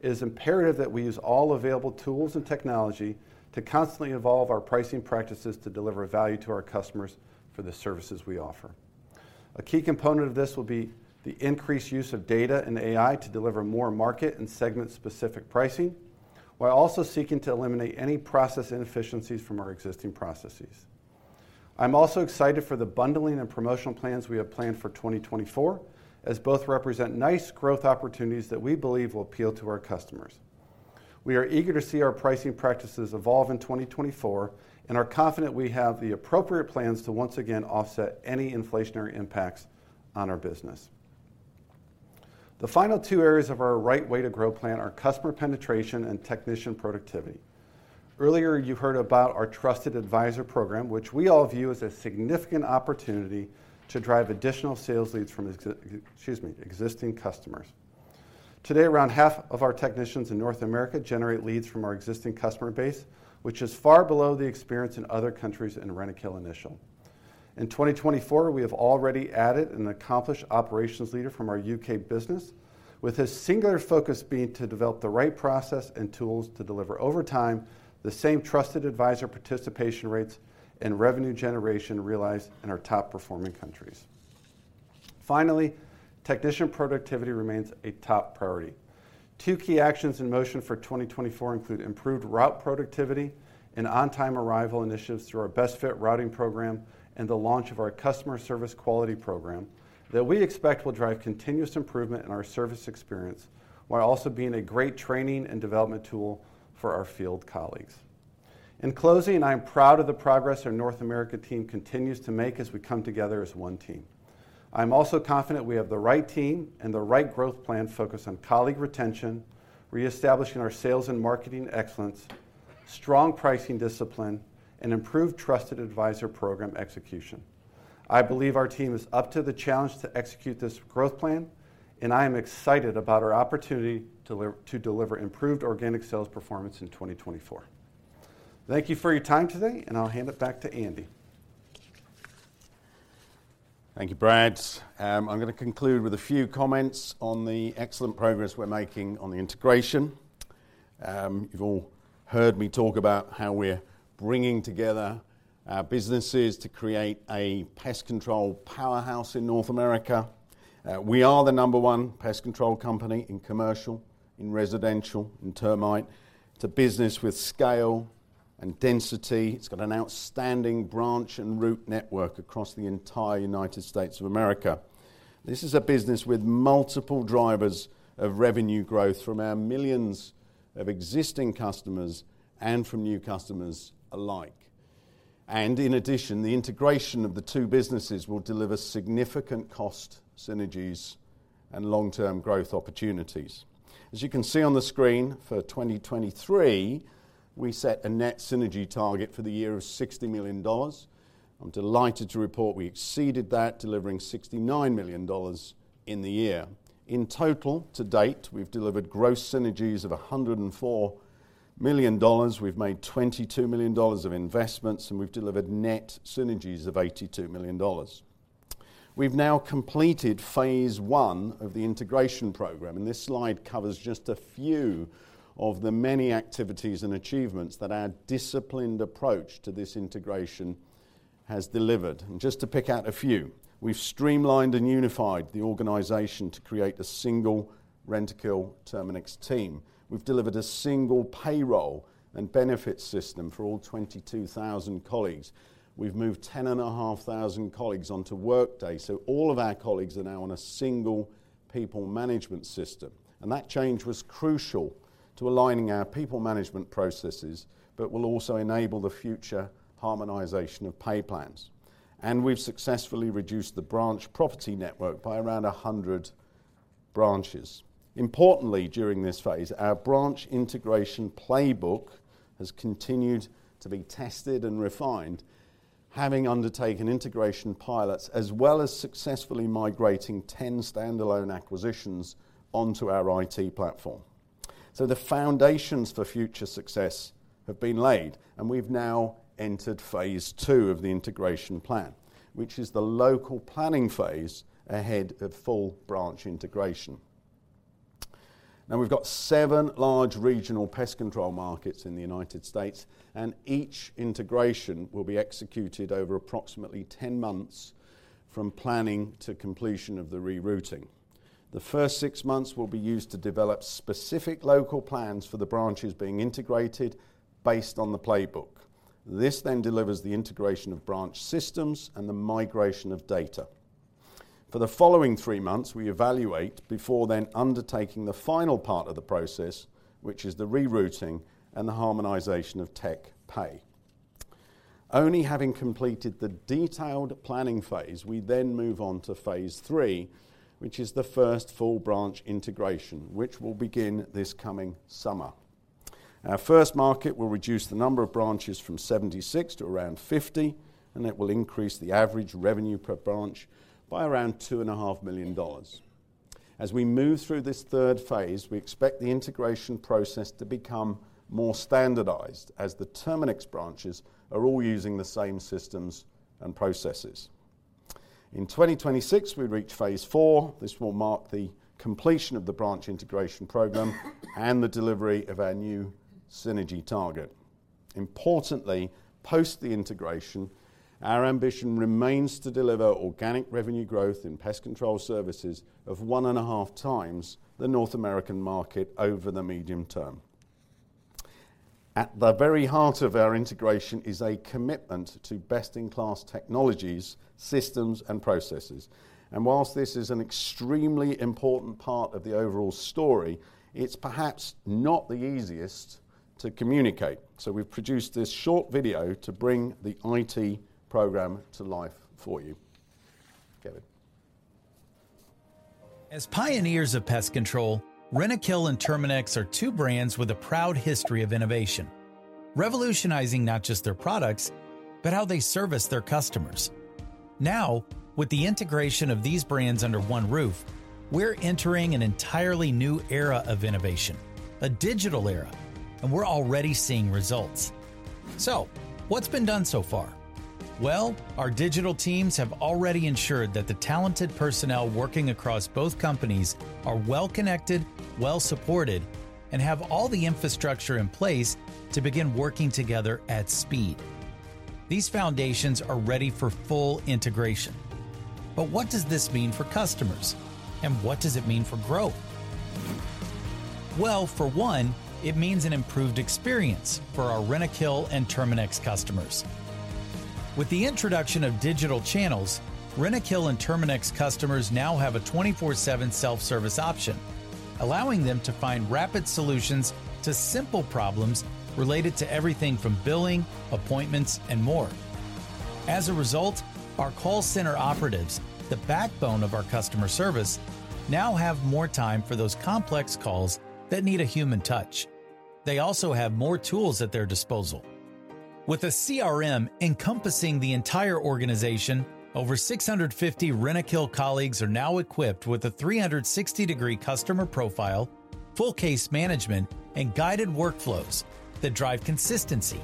it is imperative that we use all available tools and technology to constantly evolve our pricing practices to deliver value to our customers for the services we offer. A key component of this will be the increased use of data and AI to deliver more market and segment-specific pricing, while also seeking to eliminate any process inefficiencies from our existing processes. I'm also excited for the bundling and promotional plans we have planned for 2024, as both represent nice growth opportunities that we believe will appeal to our customers. We are eager to see our pricing practices evolve in 2024, and are confident we have the appropriate plans to once again offset any inflationary impacts on our business. The final two areas of our Right Way to grow plan are customer penetration and technician productivity. Earlier, you heard about our Trusted Advisor program, which we all view as a significant opportunity to drive additional sales leads from existing customers. Today, around half of our technicians in North America generate leads from our existing customer base, which is far below the experience in other countries in Rentokil Initial. In 2024, we have already added an accomplished operations leader from our U.K. business, with his singular focus being to develop the right process and tools to deliver over time the same Trusted Advisor participation rates and revenue generation realized in our top-performing countries. Finally, technician productivity remains a top priority. Two key actions in motion for 2024 include improved route productivity and on-time arrival initiatives through our Best Fit Routing Program and the launch of our customer service quality program that we expect will drive continuous improvement in our service experience while also being a great training and development tool for our field colleagues. In closing, I am proud of the progress our North America team continues to make as we come together as one team. I am also confident we have the right team and the right growth plan focused on colleague retention, reestablishing our sales and marketing excellence, strong pricing discipline, and improved trusted advisor program execution. I believe our team is up to the challenge to execute this growth plan, and I am excited about our opportunity to deliver improved organic sales performance in 2024. Thank you for your time today, and I'll hand it back to Andy. Thank you, Brad. I'm going to conclude with a few comments on the excellent progress we're making on the integration. You've all heard me talk about how we're bringing together businesses to create a pest control powerhouse in North America. We are the number one pest control company in commercial, in residential, in termite. It's a business with scale and density. It's got an outstanding branch and root network across the entire United States of America. This is a business with multiple drivers of revenue growth from our millions of existing customers and from new customers alike. In addition, the integration of the two businesses will deliver significant cost synergies and long-term growth opportunities. As you can see on the screen, for 2023, we set a net synergy target for the year of $60 million. I'm delighted to report we exceeded that, delivering $69 million in the year. In total to date, we've delivered gross synergies of $104 million. We've made $22 million of investments, and we've delivered net synergies of $82 million. We've now completed phase one of the integration program, and this slide covers just a few of the many activities and achievements that our disciplined approach to this integration has delivered. Just to pick out a few, we've streamlined and unified the organization to create a single Rentokil Terminix team. We've delivered a single payroll and benefits system for all 22,000 colleagues. We've moved 10,500 colleagues onto Workday, so all of our colleagues are now on a single people management system. That change was crucial to aligning our people management processes but will also enable the future harmonization of pay plans. We've successfully reduced the branch property network by around 100 branches. Importantly, during this phase, our branch integration playbook has continued to be tested and refined, having undertaken integration pilots as well as successfully migrating 10 standalone acquisitions onto our IT platform. The foundations for future success have been laid, and we've now entered phase 2 of the integration plan, which is the local planning phase ahead of full branch integration. Now, we've got 7 large regional pest control markets in the United States, and each integration will be executed over approximately 10 months from planning to completion of the rerouting. The first 6 months will be used to develop specific local plans for the branches being integrated based on the playbook. This then delivers the integration of branch systems and the migration of data. For the following 3 months, we evaluate before then undertaking the final part of the process, which is the rerouting and the harmonization of tech pay. Only having completed the detailed planning phase, we then move on to phase 3, which is the first full branch integration, which will begin this coming summer. Our first market will reduce the number of branches from 76 to around 50, and it will increase the average revenue per branch by around $2.5 million. As we move through this third phase, we expect the integration process to become more standardized as the Terminix branches are all using the same systems and processes. In 2026, we reach phase four. This will mark the completion of the branch integration program and the delivery of our new synergy target. Importantly, post the integration, our ambition remains to deliver organic revenue growth in pest control services of one and a half times the North American market over the medium term. At the very heart of our integration is a commitment to best-in-class technologies, systems, and processes. While this is an extremely important part of the overall story, it's perhaps not the easiest to communicate. We've produced this short video to bring the IT program to life for you. David. As pioneers of pest control, Rentokil and Terminix are two brands with a proud history of innovation, revolutionizing not just their products but how they service their customers. Now, with the integration of these brands under one roof, we're entering an entirely new era of innovation, a digital era, and we're already seeing results. So what's been done so far? Well, our digital teams have already ensured that the talented personnel working across both companies are well-connected, well-supported, and have all the infrastructure in place to begin working together at speed. These foundations are ready for full integration. But what does this mean for customers? And what does it mean for growth? Well, for one, it means an improved experience for our Rentokil and Terminix customers. With the introduction of digital channels, Rentokil and Terminix customers now have a 24/7 self-service option, allowing them to find rapid solutions to simple problems related to everything from billing, appointments, and more. As a result, our call center operatives, the backbone of our customer service, now have more time for those complex calls that need a human touch. They also have more tools at their disposal. With a CRM encompassing the entire organization, over 650 Rentokil colleagues are now equipped with a 360-degree customer profile, full case management, and guided workflows that drive consistency,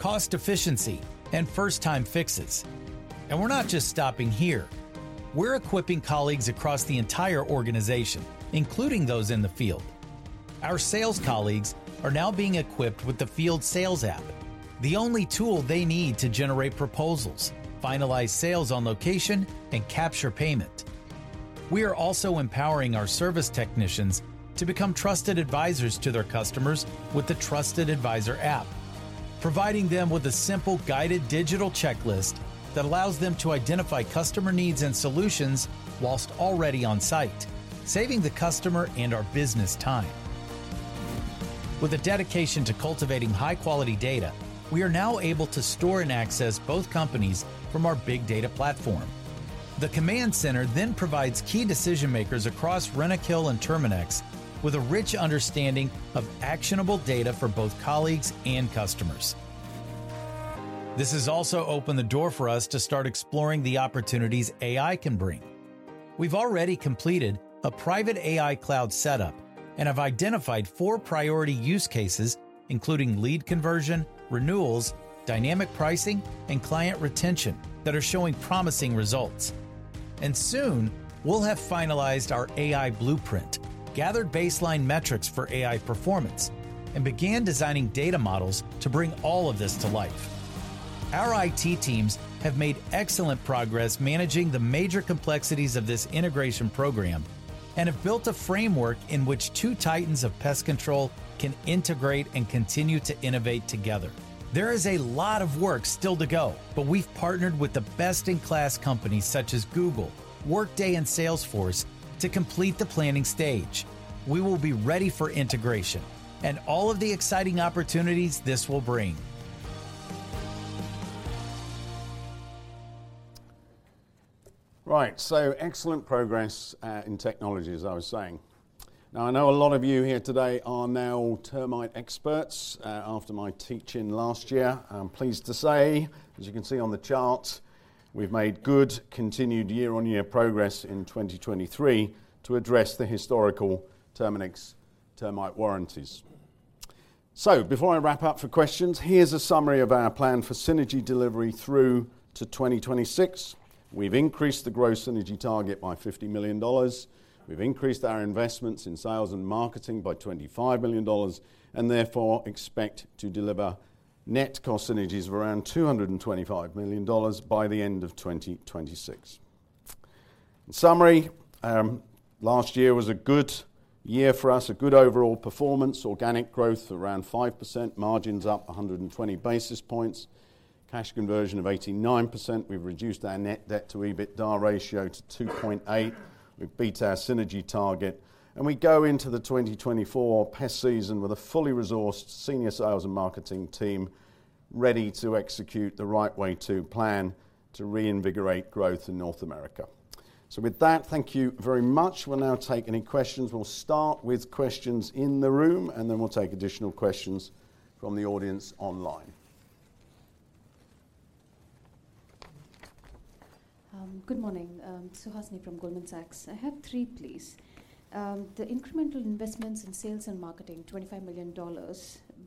cost efficiency, and first-time fixes. We're not just stopping here. We're equipping colleagues across the entire organization, including those in the field. Our sales colleagues are now being equipped with the Field Sales App, the only tool they need to generate proposals, finalize sales on location, and capture payment. We are also empowering our service technicians to become trusted advisors to their customers with the Trusted Advisor app, providing them with a simple guided digital checklist that allows them to identify customer needs and solutions while already on site, saving the customer and our business time. With a dedication to cultivating high-quality data, we are now able to store and access both companies from our big data platform. The Command Center then provides key decision-makers across Rentokil and Terminix with a rich understanding of actionable data for both colleagues and customers. This has also opened the door for us to start exploring the opportunities AI can bring. We've already completed a private AI cloud setup and have identified four priority use cases, including lead conversion, renewals, dynamic pricing, and client retention, that are showing promising results. And soon, we'll have finalized our AI blueprint, gathered baseline metrics for AI performance, and began designing data models to bring all of this to life. Our IT teams have made excellent progress managing the major complexities of this integration program and have built a framework in which two titans of pest control can integrate and continue to innovate together. There is a lot of work still to go, but we've partnered with the best-in-class companies such as Google, Workday, and Salesforce to complete the planning stage. We will be ready for integration and all of the exciting opportunities this will bring. Right. So excellent progress in technology, as I was saying. Now, I know a lot of you here today are now termite experts after my teaching last year. I'm pleased to say, as you can see on the chart, we've made good continued year-on-year progress in 2023 to address the historical Terminix termite warranties. So before I wrap up for questions, here's a summary of our plan for synergy delivery through to 2026. We've increased the gross synergy target by $50 million. We've increased our investments in sales and marketing by $25 million and therefore expect to deliver net cost synergies of around $225 million by the end of 2026. In summary, last year was a good year for us, a good overall performance, organic growth around 5%, margins up 120 basis points, cash conversion of 89%. We've reduced our net debt-to-EBITDA ratio to 2.8. We've beat our synergy target. We go into the 2024 pest season with a fully resourced senior sales and marketing team ready to execute the Right Way 2 plan to rein2vigorate growth in North America. So with that, thank you very much. We'll now take any questions. We'll start with questions in the room, and then we'll take additional questions from the audience online. Good morning. Suhasini from Goldman Sachs. I have three, please. The incremental investments in sales and marketing, $25 million,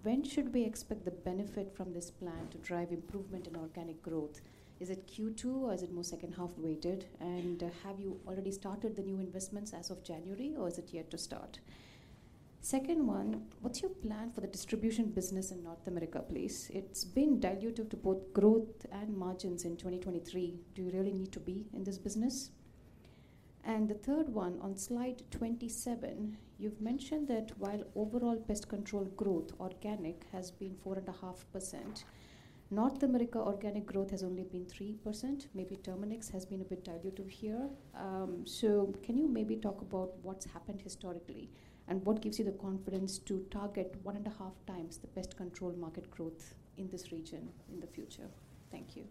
when should we expect the benefit from this plan to drive improvement in organic growth? Is it Q2, or is it more second-half weighted? And have you already started the new investments as of January, or is it yet to start? Second one, what's your plan for the distribution business in North America, please? It's been dilutive to both growth and margins in 2023. Do you really need to be in this business? And the third one, on slide 27, you've mentioned that while overall pest control growth, organic, has been 4.5%, North America organic growth has only been 3%. Maybe Terminix has been a bit dilutive here. So can you maybe talk about what's happened historically and what gives you the confidence to target 1.5x the pest control market growth in this region in the future? Thank you.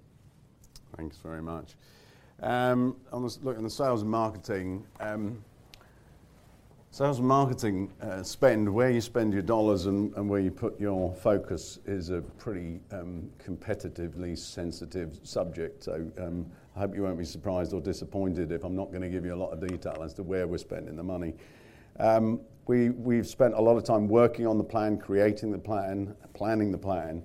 Thanks very much. Look, in the sales and marketing, sales and marketing spend, where you spend your dollars and where you put your focus is a pretty competitively sensitive subject. So I hope you won't be surprised or disappointed if I'm not going to give you a lot of detail as to where we're spending the money. We've spent a lot of time working on the plan, creating the plan, planning the plan.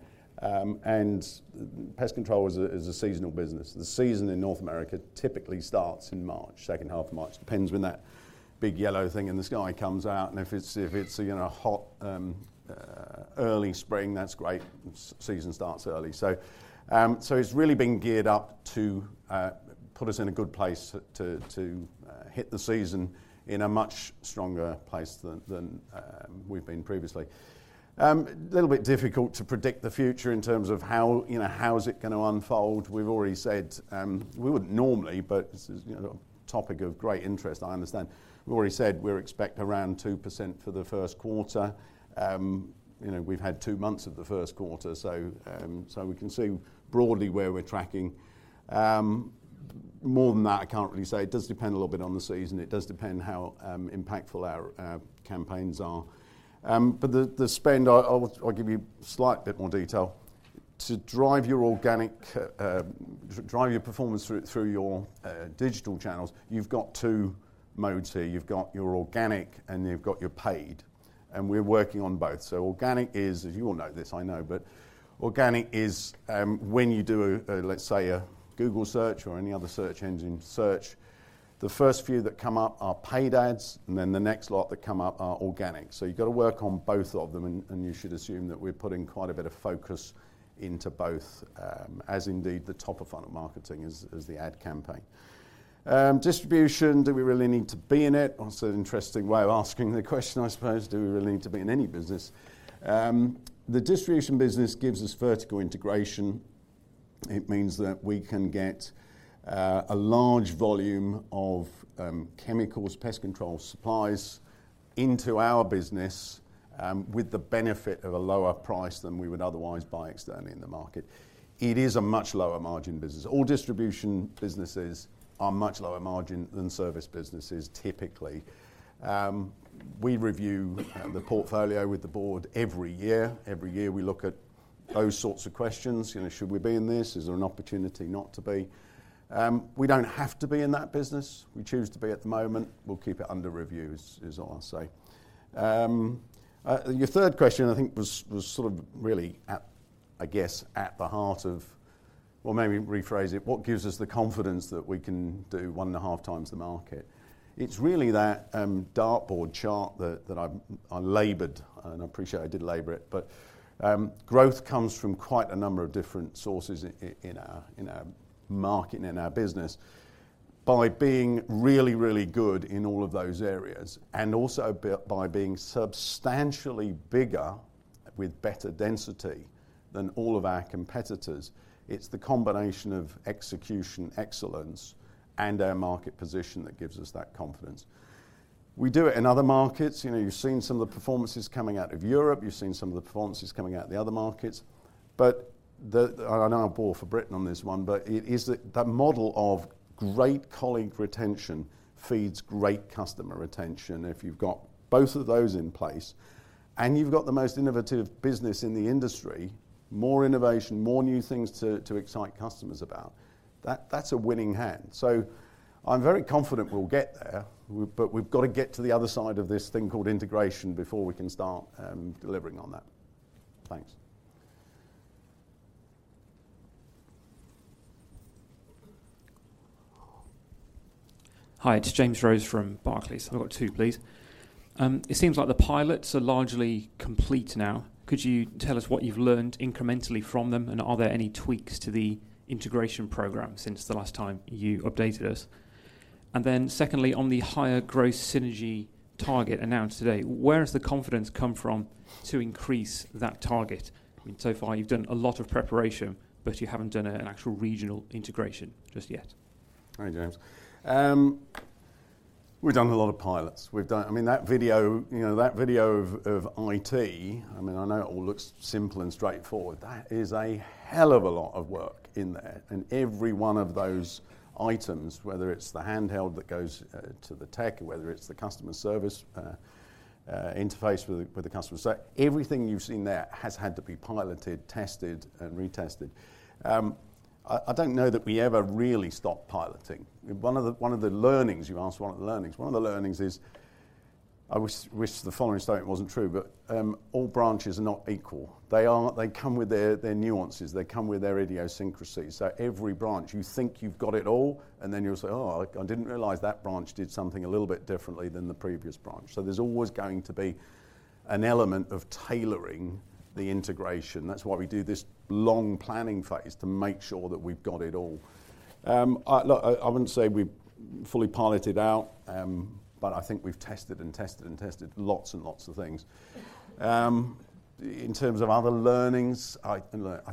Pest control is a seasonal business. The season in North America typically starts in March, second half of March. Depends when that big yellow thing in the sky comes out. And if it's a hot early spring, that's great. The season starts early. So it's really been geared up to put us in a good place to hit the season in a much stronger place than we've been previously. A little bit difficult to predict the future in terms of how's it going to unfold. We've already said we wouldn't normally, but it's a topic of great interest, I understand. We've already said we expect around 2% for the Q1. We've had two months of the Q1, so we can see broadly where we're tracking. More than that, I can't really say. It does depend a little bit on the season. It does depend how impactful our campaigns are. But the spend, I'll give you a slight bit more detail. To drive your organic drive your performance through your digital channels, you've got two modes here. You've got your organic, and you've got your paid. And we're working on both. So organic is, as you all know this I know, but organic is when you do, let's say, a Google search or any other search engine search, the first few that come up are paid ads, and then the next lot that come up are organic. So you've got to work on both of them, and you should assume that we're putting quite a bit of focus into both, as indeed the top of funnel marketing is the ad campaign. Distribution, do we really need to be in it? That's an interesting way of asking the question, I suppose. Do we really need to be in any business? The distribution business gives us vertical integration. It means that we can get a large volume of chemicals, pest control supplies, into our business with the benefit of a lower price than we would otherwise buy externally in the market. It is a much lower margin business. All distribution businesses are much lower margin than service businesses, typically. We review the portfolio with the board every year. Every year, we look at those sorts of questions. Should we be in this? Is there an opportunity not to be? We don't have to be in that business. We choose to be at the moment. We'll keep it under review, is all I'll say. Your third question, I think, was sort of really at, I guess, at the heart of, well, maybe rephrase it. What gives us the confidence that we can do one and a half times the market? It's really that dartboard chart that I labored, and I appreciate I did labor it, but growth comes from quite a number of different sources in our market and in our business. By being really, really good in all of those areas and also by being substantially bigger with better density than all of our competitors, it's the combination of execution excellence and our market position that gives us that confidence. We do it in other markets. You've seen some of the performances coming out of Europe. You've seen some of the performances coming out of the other markets. And I'll root for Britain on this one, but it is that model of great colleague retention feeds great customer retention if you've got both of those in place. And you've got the most innovative business in the industry, more innovation, more new things to excite customers about. That's a winning hand. So I'm very confident we'll get there, but we've got to get to the other side of this thing called integration before we can start delivering on that. Thanks. Hi. It's James Rose from Barclays. I've got two, please. It seems like the pilots are largely complete now. Could you tell us what you've learned incrementally from them, and are there any tweaks to the integration program since the last time you updated us? And then secondly, on the higher gross synergy target announced today, where has the confidence come from to increase that target? I mean, so far, you've done a lot of preparation, but you haven't done an actual regional integration just yet. Hi, James. We've done a lot of pilots. I mean, that video of IT, I mean, I know it all looks simple and straightforward. That is a hell of a lot of work in there. And every one of those items, whether it's the handheld that goes to the tech or whether it's the customer service interface with the customer so everything you've seen there has had to be piloted, tested, and retested. I don't know that we ever really stopped piloting. One of the learnings you asked is I wish the following statement wasn't true, but all branches are not equal. They come with their nuances. They come with their idiosyncrasies. So every branch, you think you've got it all, and then you'll say, "Oh, I didn't realize that branch did something a little bit differently than the previous branch." So there's always going to be an element of tailoring the integration. That's why we do this long planning phase to make sure that we've got it all. Look, I wouldn't say we've fully piloted out, but I think we've tested and tested and tested lots and lots of things. In terms of other learnings, I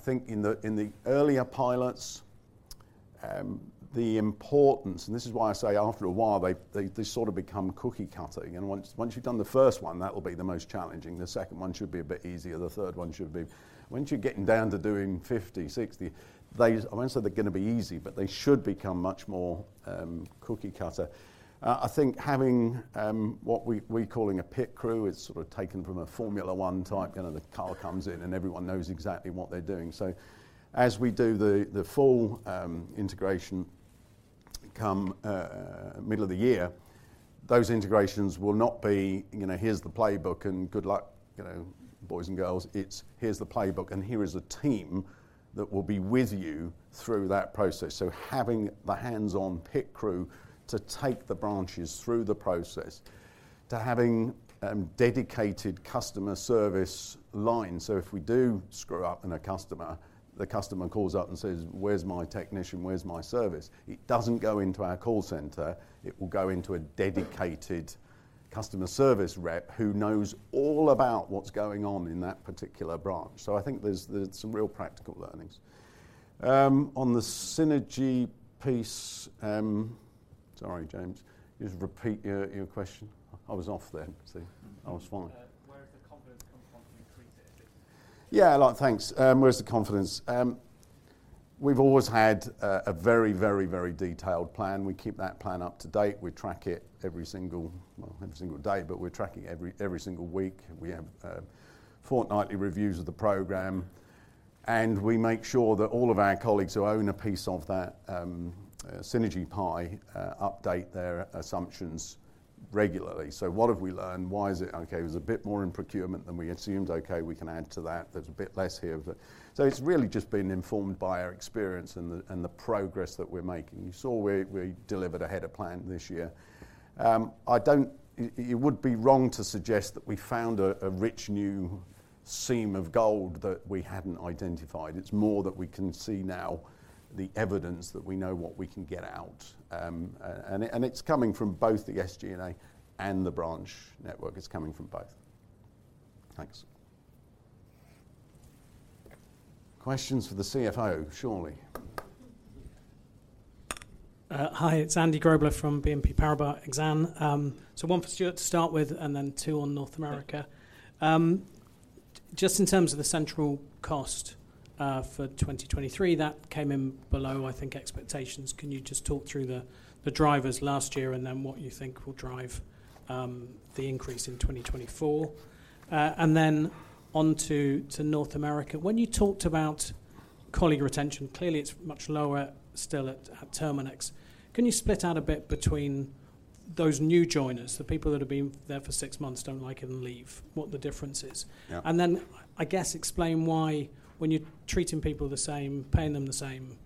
think in the earlier pilots, the importance and this is why I say after a while, they sort of become cookie-cutter. Once you've done the first one, that will be the most challenging. The second one should be a bit easier. The third one should be once you're getting down to doing 50, 60. I won't say they're going to be easy, but they should become much more cookie-cutter. I think having what we're calling a pit crew, it's sort of taken from a Formula One type. The car comes in, and everyone knows exactly what they're doing. So as we do the full integration come middle of the year, those integrations will not be, "Here's the playbook, and good luck, boys and girls." It's, "Here's the playbook, and here is a team that will be with you through that process." So having the hands-on pit crew to take the branches through the process, to having dedicated customer service lines. So if we do screw up in a customer, the customer calls up and says, "Where's my technician? Where's my service?" It doesn't go into our call center. It will go into a dedicated customer service rep who knows all about what's going on in that particular branch. So I think there's some real practical learnings. On the synergy piece, sorry, James, just repeat your question. I was off there, see? I was fine. Where does the confidence come from to increase it if it's? Yeah. Thanks. Where's the confidence? We've always had a very, very, very detailed plan. We keep that plan up to date. We track it every single week, every single day, but we're tracking it every single week. We have fortnightly reviews of the program, and we make sure that all of our colleagues who own a piece of that synergy pie update their assumptions regularly. So what have we learned? Why is it, okay, it was a bit more in procurement than we assumed? Okay, we can add to that. There's a bit less here. So it's really just been informed by our experience and the progress that we're making. You saw we delivered ahead of plan this year. It would be wrong to suggest that we found a rich new seam of gold that we hadn't identified. It's more that we can see now the evidence that we know what we can get out. And it's coming from both the SG&A and the branch network. It's coming from both. Thanks. Questions for the CFO, surely. Hi. It's Andy Grobler from BNP Paribas Exane. So one for Stuart to start with and then two on North America. Just in terms of the central cost for 2023, that came in below, I think, expectations. Can you just talk through the drivers last year and then what you think will drive the increase in 2024? And then onto North America. When you talked about colleague retention, clearly it's much lower still at Terminix. Can you split out a bit between those new joiners, the people that have been there for six months, don't like it and leave, what the difference is? And then I guess explain why when you're treating people the same, paying them the same,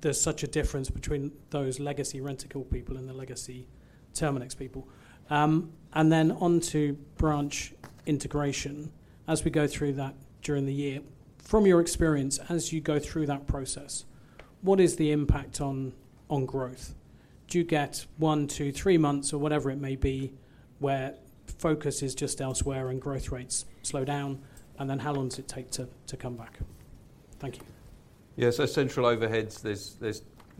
there's such a difference between those legacy Rentokil people and the legacy Terminix people. And then onto branch integration. As we go through that during the year, from your experience, as you go through that process, what is the impact on growth? Do you get 1, 2, 3 months, or whatever it may be, where focus is just elsewhere and growth rates slow down, and then how long does it take to come back? Thank you. Yeah. So central overheads, there's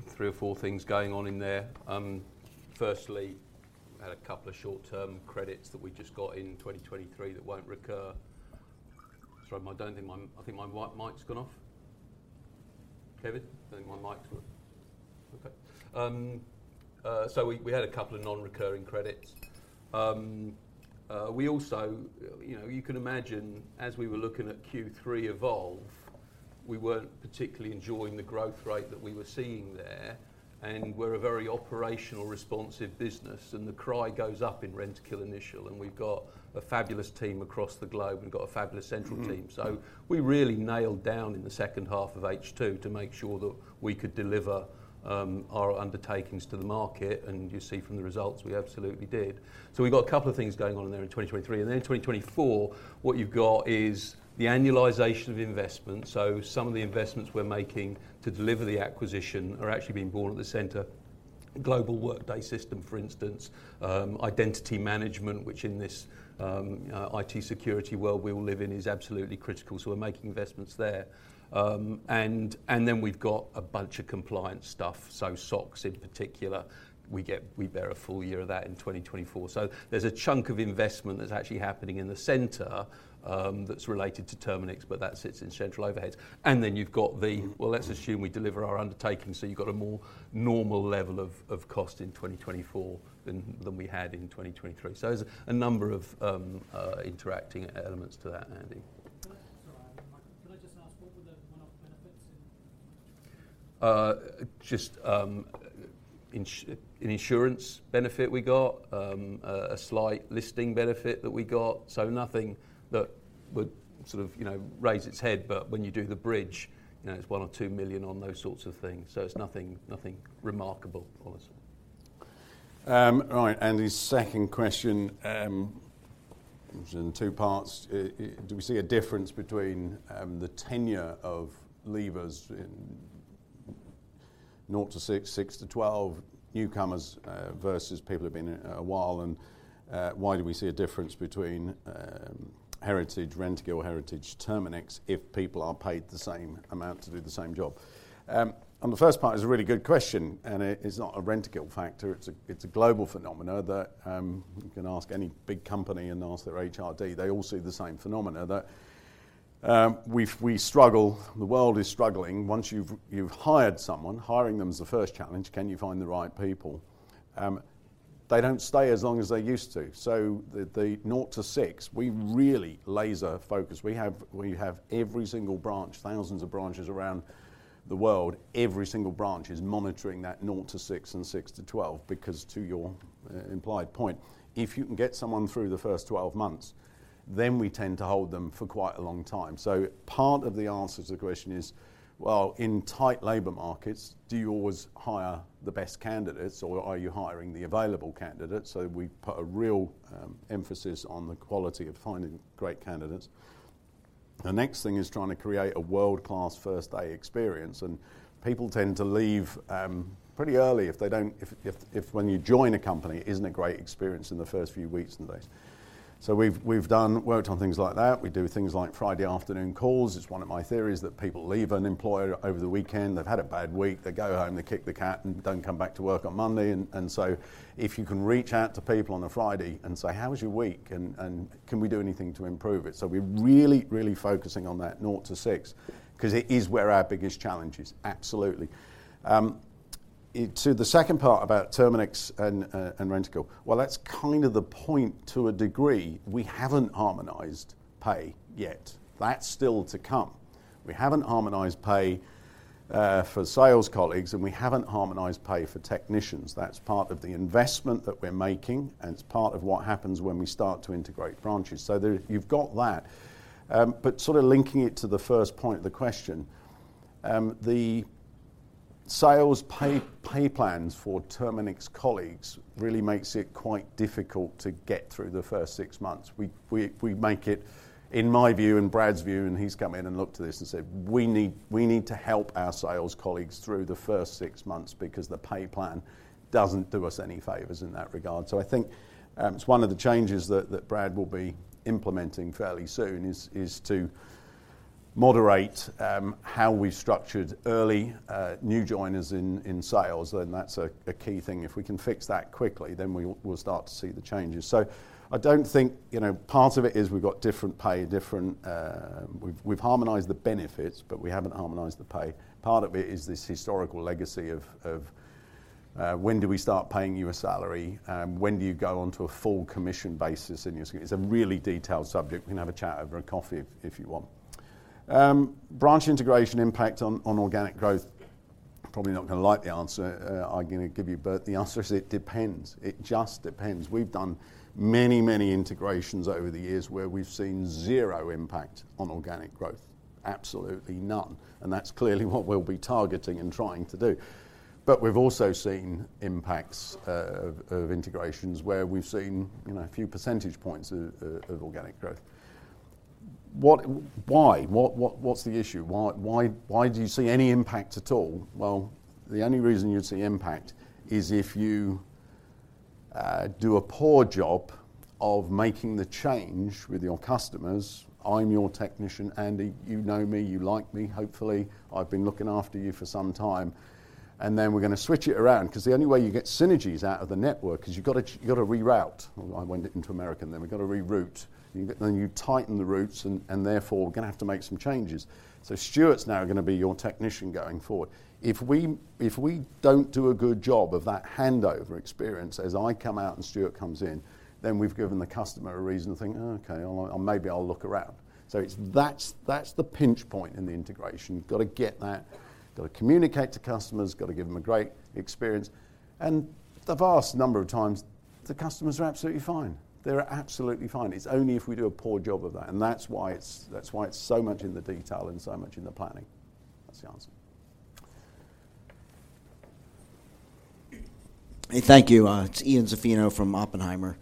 3 or 4 things going on in there. Firstly, we had a couple of short-term credits that we just got in 2023 that won't recur. Sorry, I don't think my mic's gone off. Kevin? I think my mic's okay. So we had a couple of non-recurring credits. You can imagine, as we were looking at Q3 evolve, we weren't particularly enjoying the growth rate that we were seeing there. And we're a very operational, responsive business, and the cry goes up in Rentokil Initial. And we've got a fabulous team across the globe and got a fabulous central team. So we really nailed down in the second half of H2 to make sure that we could deliver our undertakings to the market. And you see from the results, we absolutely did. So we've got a couple of things going on in there in 2023. And then in 2024, what you've got is the annualization of investments. So some of the investments we're making to deliver the acquisition are actually being borne at the center. Global Workday system, for instance, identity management, which in this IT security world we all live in is absolutely critical. So we're making investments there. And then we've got a bunch of compliance stuff. So SOX, in particular, we bear a full year of that in 2024. So there's a chunk of investment that's actually happening in the center that's related to Terminix, but that sits in central overheads. And then you've got the well, let's assume we deliver our undertakings, so you've got a more normal level of cost in 2024 than we had in 2023. So there's a number of interacting elements to that, Andy. Sorry, I didn't mic. Can I just ask, what were the one-off benefits in? Just an insurance benefit we got, a slight listing benefit that we got. So nothing that would sort of raise its head, but when you do the bridge, it's 1-2 million on those sorts of things. So it's nothing remarkable on us. Right. Andy's second question was in two parts. Do we see a difference between the tenure of leavers in 0-6, 6-12, newcomers versus people who've been a while? And why do we see a difference between heritage Rentokil or heritage Terminix if people are paid the same amount to do the same job? And the first part is a really good question, and it's not a Rentokil factor. It's a global phenomenon that you can ask any big company and ask their HRD. They all see the same phenomenon that we struggle. The world is struggling. Once you've hired someone, hiring them is the first challenge. Can you find the right people? They don't stay as long as they used to. So the 0-6, we really laser-focus. We have every single branch, thousands of branches around the world. Every single branch is monitoring that 0-6 and 6-12 because, to your implied point, if you can get someone through the first 12 months, then we tend to hold them for quite a long time. So part of the answer to the question is, well, in tight labor markets, do you always hire the best candidates, or are you hiring the available candidates? So we put a real emphasis on the quality of finding great candidates. The next thing is trying to create a world-class first-day experience. People tend to leave pretty early if they don't, when you join a company, it isn't a great experience in the first few weeks and days. So we've worked on things like that. We do things like Friday afternoon calls. It's one of my theories that people leave an employer over the weekend. They've had a bad week. They go home. They kick the cat and don't come back to work on Monday. And so if you can reach out to people on a Friday and say, "How was your week? And can we do anything to improve it?" So we're really, really focusing on that 0 to 6 because it is where our biggest challenge is, absolutely. To the second part about Terminix and Rentokil, well, that's kind of the point to a degree. We haven't harmonized pay yet. That's still to come. We haven't harmonized pay for sales colleagues, and we haven't harmonized pay for technicians. That's part of the investment that we're making, and it's part of what happens when we start to integrate branches. So you've got that. But sort of linking it to the first point of the question, the sales pay plans for Terminix colleagues really makes it quite difficult to get through the first six months. We make it, in my view and Brad's view, and he's come in and looked at this and said, "We need to help our sales colleagues through the first six months because the pay plan doesn't do us any favors in that regard." So I think it's one of the changes that Brad will be implementing fairly soon is to moderate how we've structured early new joiners in sales. And that's a key thing. If we can fix that quickly, then we'll start to see the changes. So I don't think part of it is we've got different pay, different, we've harmonized the benefits, but we haven't harmonized the pay. Part of it is this historical legacy of when do we start paying you a salary? When do you go onto a full commission basis in your? It's a really detailed subject. We can have a chat over a coffee if you want. Branch integration impact on organic growth? Probably not going to like the answer I'm going to give you, but the answer is it depends. It just depends. We've done many, many integrations over the years where we've seen zero impact on organic growth, absolutely none. That's clearly what we'll be targeting and trying to do. But we've also seen impacts of integrations where we've seen a few percentage points of organic growth. Why? What's the issue? Why do you see any impact at all? Well, the only reason you'd see impact is if you do a poor job of making the change with your customers. I'm your technician, Andy. You know me. You like me. Hopefully, I've been looking after you for some time. And then we're going to switch it around because the only way you get synergies out of the network is you've got to reroute. I went into America then. We've got to reroute. Then you tighten the routes, and therefore, we're going to have to make some changes. So Stuart's now going to be your technician going forward. If we don't do a good job of that handover experience as I come out and Stuart comes in, then we've given the customer a reason to think, "Okay. Maybe I'll look around." So that's the pinch point in the integration. Got to get that. Got to communicate to customers. Got to give them a great experience. And the vast number of times, the customers are absolutely fine. They're absolutely fine. It's only if we do a poor job of that. And that's why it's so much in the detail and so much in the planning. That's the answer. Hey, thank you. It's Ian Zaffino from Oppenheimer.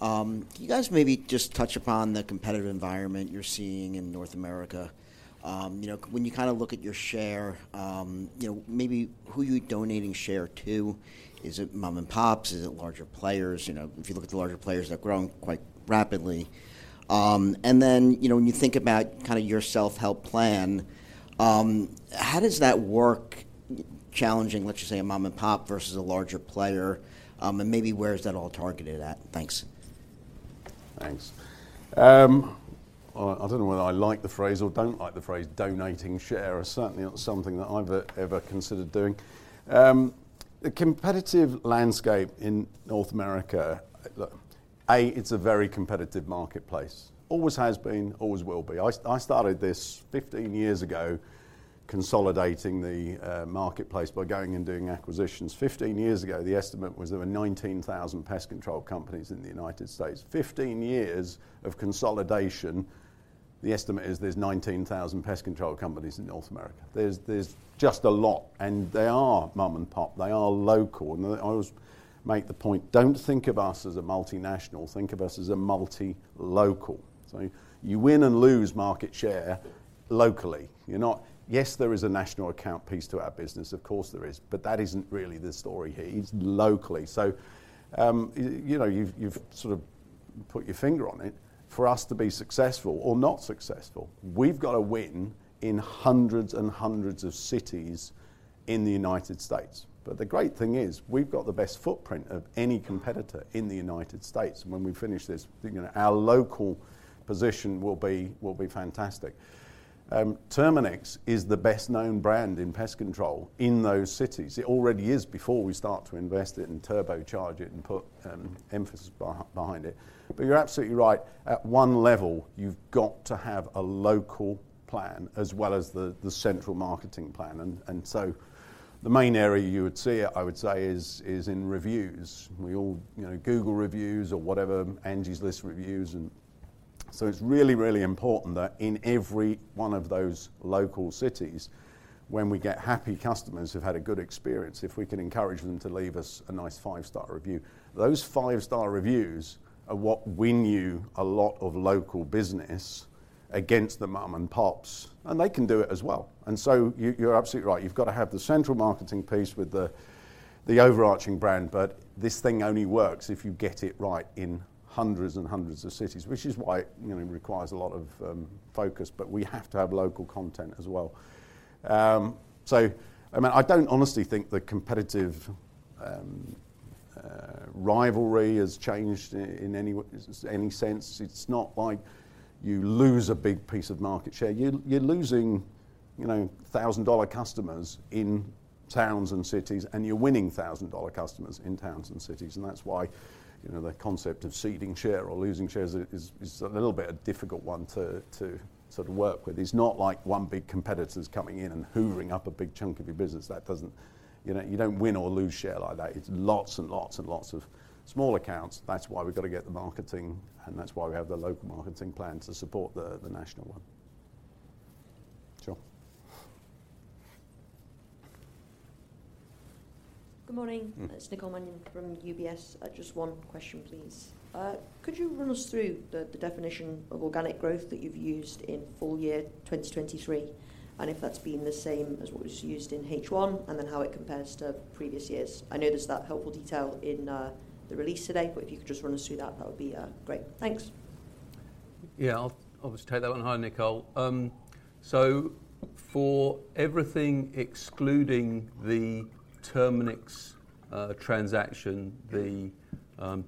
Can you guys maybe just touch upon the competitive environment you're seeing in North America? When you kind of look at your share, maybe who you're donating share to? Is it mom-and-pops? Is it larger players? If you look at the larger players, they're growing quite rapidly. And then when you think about kind of your self-help plan, how does that work challenging, let's just say, a mom-and-pop versus a larger player? And maybe where is that all targeted at? Thanks. Thanks. I don't know whether I like the phrase or don't like the phrase donating share. It's certainly not something that I've ever considered doing. The competitive landscape in North America, it's a very competitive marketplace. Always has been. Always will be. I started this 15 years ago consolidating the marketplace by going and doing acquisitions. 15 years ago, the estimate was there were 19,000 pest control companies in the United States. 15 years of consolidation, the estimate is there's 19,000 pest control companies in North America. There's just a lot. And they are mom-and-pop. They are local. And I always make the point, don't think of us as a multinational. Think of us as a multilocal. So you win and lose market share locally. Yes, there is a national account piece to our business. Of course, there is. But that isn't really the story here. It's locally. So you've sort of put your finger on it. For us to be successful or not successful, we've got to win in hundreds and hundreds of cities in the United States. But the great thing is we've got the best footprint of any competitor in the United States. And when we finish this, our local position will be fantastic. Terminix is the best-known brand in pest control in those cities. It already is before we start to invest it and turbocharge it and put emphasis behind it. But you're absolutely right. At one level, you've got to have a local plan as well as the central marketing plan. And so the main area you would see it, I would say, is in reviews. Google reviews or whatever, Angie's List reviews. And so it's really, really important that in every one of those local cities, when we get happy customers who've had a good experience, if we can encourage them to leave us a nice five-star review, those five-star reviews are what win you a lot of local business against the mom-and-pops. And they can do it as well. And so you're absolutely right. You've got to have the central marketing piece with the overarching brand. But this thing only works if you get it right in hundreds and hundreds of cities, which is why it requires a lot of focus. But we have to have local content as well. So I mean, I don't honestly think the competitive rivalry has changed in any sense. It's not like you lose a big piece of market share. You're losing thousand-dollar customers in towns and cities, and you're winning thousand-dollar customers in towns and cities. And that's why the concept of ceding share or losing shares is a little bit of a difficult one to sort of work with. It's not like one big competitor's coming in and hoovering up a big chunk of your business. You don't win or lose share like that. It's lots and lots and lots of small accounts. That's why we've got to get the marketing, and that's why we have the local marketing plan to support the national one. Good morning. It's Nicole Manion from UBS. Just one question, please. Could you run us through the definition of organic growth that you've used in full year 2023 and if that's been the same as what was used in H1 and then how it compares to previous years? I know there's that helpful detail in the release today, but if you could just run us through that, that would be great. Thanks. Yeah. I'll just take that one. Hi, Nicole. So for everything excluding the Terminix transaction, the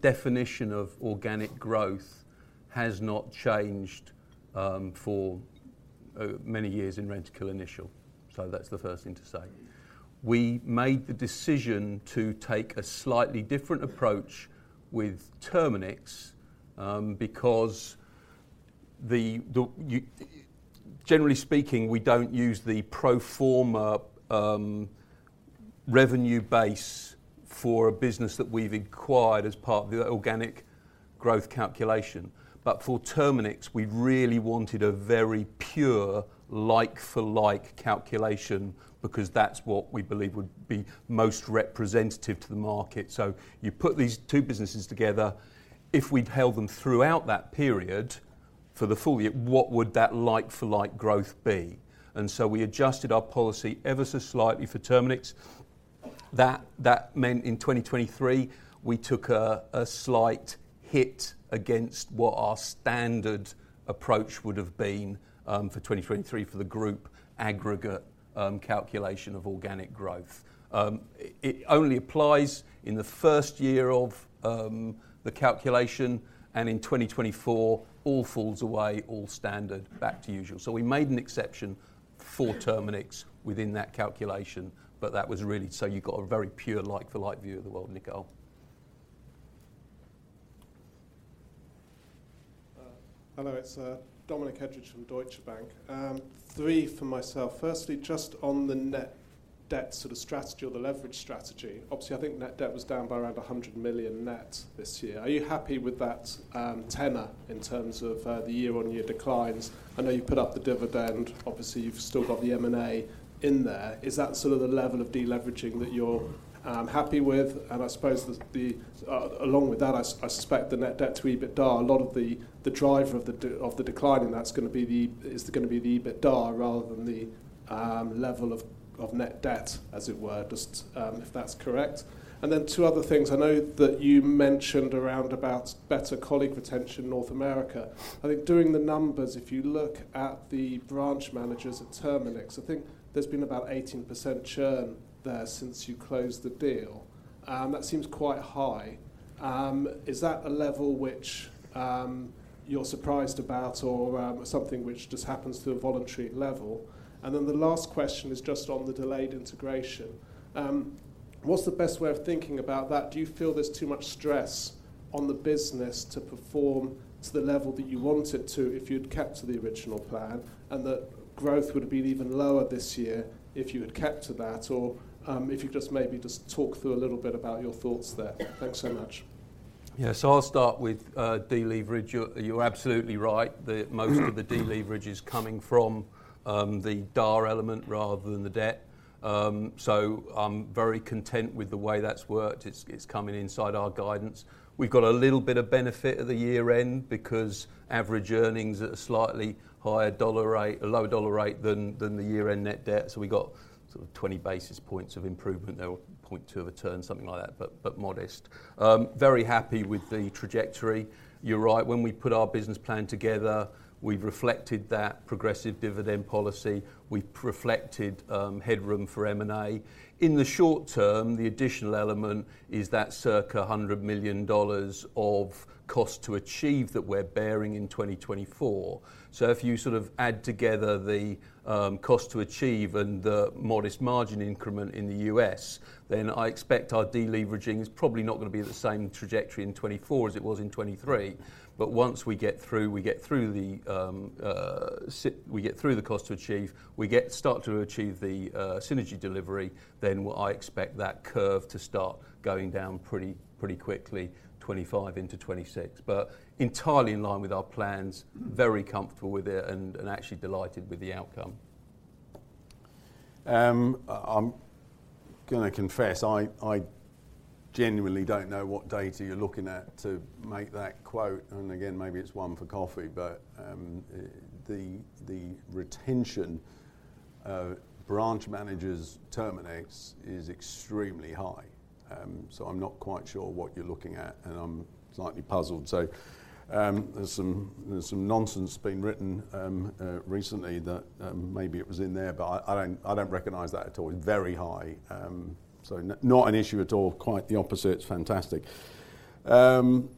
definition of organic growth has not changed for many years in Rentokil Initial. So that's the first thing to say. We made the decision to take a slightly different approach with Terminix because, generally speaking, we don't use the pro forma revenue base for a business that we've acquired as part of the organic growth calculation. But for Terminix, we really wanted a very pure, like-for-like calculation because that's what we believe would be most representative to the market. So you put these two businesses together. If we'd held them throughout that period for the full year, what would that like-for-like growth be? And so we adjusted our policy ever so slightly for Terminix. That meant in 2023, we took a slight hit against what our standard approach would have been for 2023 for the group aggregate calculation of organic growth. It only applies in the first year of the calculation, and in 2024, all falls away, all standard, back to usual. So we made an exception for Terminix within that calculation, but that was really so you've got a very pure, like-for-like view of the world, Nicole. Hello. It's Dominic Edridge from Deutsche Bank. Three for myself. Firstly, just on the net debt sort of strategy or the leverage strategy, obviously, I think net debt was down by around 100 million net this year. Are you happy with that tenor in terms of the year-on-year declines? I know you put up the dividend. Obviously, you've still got the M&A in there. Is that sort of the level of deleveraging that you're happy with? And I suppose along with that, I suspect the net debt to EBITDA, a lot of the driver of the decline in that is going to be the EBITDA rather than the level of net debt, as it were, if that's correct. And then two other things. I know that you mentioned around about better colleague retention in North America. I think during the numbers, if you look at the branch managers at Terminix, I think there's been about 18% churn there since you closed the deal. That seems quite high. Is that a level which you're surprised about or something which just happens to a voluntary level? And then the last question is just on the delayed integration. What's the best way of thinking about that? Do you feel there's too much stress on the business to perform to the level that you want it to if you'd kept to the original plan and that growth would have been even lower this year if you had kept to that or if you could just maybe just talk through a little bit about your thoughts there? Thanks so much. Yeah. So I'll start with deleverage. You're absolutely right that most of the deleverage is coming from the dollar element rather than the debt. So I'm very content with the way that's worked. It's coming inside our guidance. We've got a little bit of benefit at the year-end because average earnings at a slightly higher dollar rate, a lower dollar rate than the year-end net debt. So we've got sort of 20 basis points of improvement. They're 0.2 of a turn, something like that, but modest. Very happy with the trajectory. You're right. When we put our business plan together, we've reflected that progressive dividend policy. We've reflected headroom for M&A. In the short term, the additional element is that circa $100 million of cost to achieve that we're bearing in 2024. So if you sort of add together the cost to achieve and the modest margin increment in the U.S., then I expect our deleveraging is probably not going to be at the same trajectory in 2024 as it was in 2023. But once we get through the cost to achieve, we start to achieve the synergy delivery, then I expect that curve to start going down pretty quickly, 2025 into 2026. But entirely in line with our plans, very comfortable with it and actually delighted with the outcome. I'm going to confess. I genuinely don't know what data you're looking at to make that quote. And again, maybe it's one for coffee. But the retention of branch managers Terminix is extremely high. So I'm not quite sure what you're looking at, and I'm slightly puzzled. So there's some nonsense that's been written recently that maybe it was in there, but I don't recognize that at all. It's very high. So not an issue at all. Quite the opposite. It's fantastic. On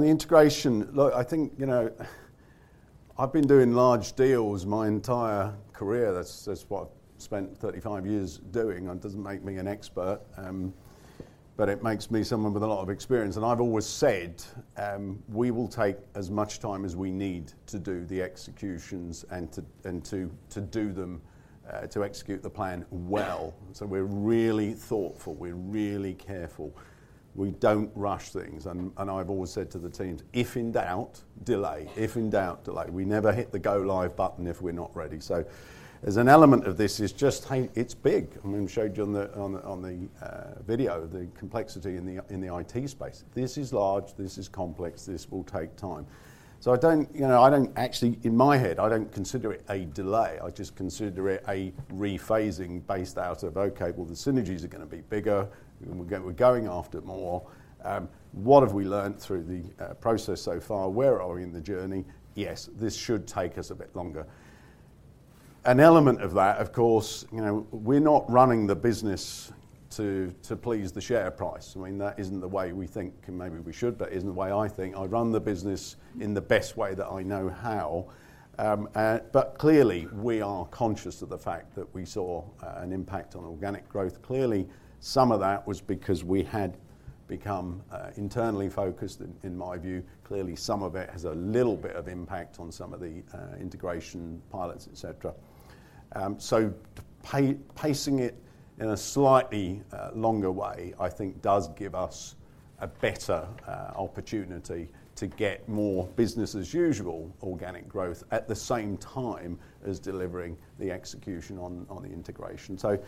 the integration, look, I think I've been doing large deals my entire career. That's what I've spent 35 years doing. It doesn't make me an expert, but it makes me someone with a lot of experience. And I've always said we will take as much time as we need to do the executions and to do them, to execute the plan well. So we're really thoughtful. We're really careful. We don't rush things. And I've always said to the teams, "If in doubt, delay. If in doubt, delay." We never hit the go live button if we're not ready. So there's an element of this is just it's big. I mean, I showed you on the video the complexity in the IT space. This is large. This is complex. This will take time. So I don't actually, in my head, I don't consider it a delay. I just consider it a rephasing based out of, "Okay. Well, the synergies are going to be bigger. We're going after it more. What have we learned through the process so far? Where are we in the journey?" Yes, this should take us a bit longer. An element of that, of course, we're not running the business to please the share price. I mean, that isn't the way we think, and maybe we should, but it isn't the way I think. I run the business in the best way that I know how. But clearly, we are conscious of the fact that we saw an impact on organic growth. Clearly, some of that was because we had become internally focused, in my view. Clearly, some of it has a little bit of impact on some of the integration pilots, etc. So pacing it in a slightly longer way, I think, does give us a better opportunity to get more business-as-usual organic growth at the same time as delivering the execution on the integration. So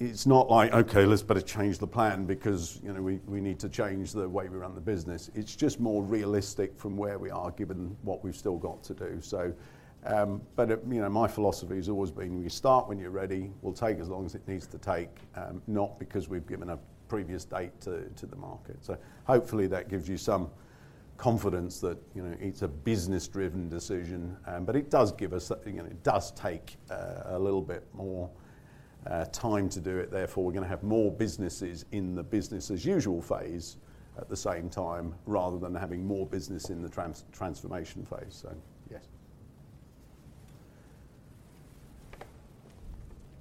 it's not like, "Okay. Let's better change the plan because we need to change the way we run the business." It's just more realistic from where we are given what we've still got to do. But my philosophy has always been we start when you're ready. We'll take as long as it needs to take, not because we've given a previous date to the market. So hopefully, that gives you some confidence that it's a business-driven decision. But it does give us. It does take a little bit more time to do it. Therefore, we're going to have more businesses in the business-as-usual phase at the same time rather than having more business in the transformation phase.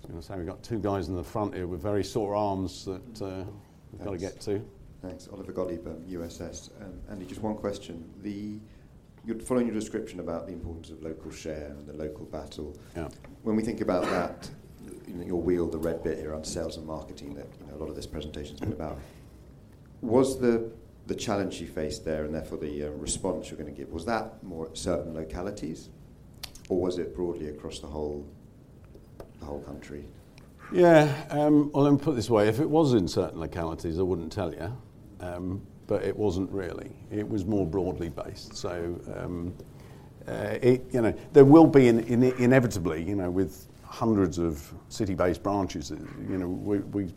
So yes. I was going to say we've got two guys in the front here with very sore arms that we've got to get to. Thanks. Oliver Gottlieb, USS. Andy, just one question. Following your description about the importance of local share and the local battle, when we think about that, your wheel, the red bit here on sales and marketing that a lot of this presentation's been about, was the challenge you faced there and therefore the response you're going to give, was that more certain localities or was it broadly across the whole country? Yeah. Well, let me put it this way. If it was in certain localities, I wouldn't tell you. But it wasn't really. It was more broadly based. So there will be, inevitably, with hundreds of city-based branches, we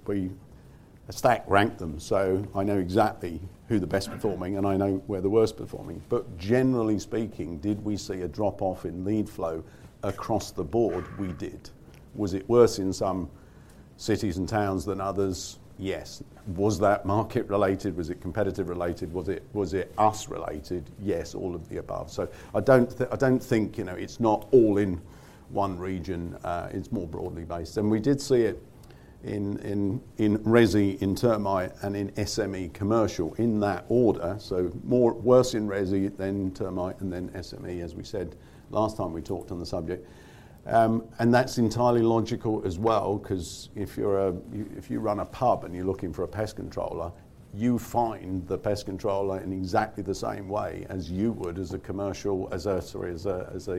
stack rank them. So I know exactly who the best performing and I know where the worst performing. But generally speaking, did we see a drop-off in lead flow across the board? We did. Was it worse in some cities and towns than others? Yes. Was that market-related? Was it competitive-related? Was it us-related? Yes, all of the above. So I don't think it's not all in one region. It's more broadly based. And we did see it in Resi in Termite and in SME commercial in that order. So worse in Resi than Termite and then SME, as we said last time we talked on the subject. And that's entirely logical as well because if you run a pub and you're looking for a pest controller, you find the pest controller in exactly the same way as you would as a commercial, as a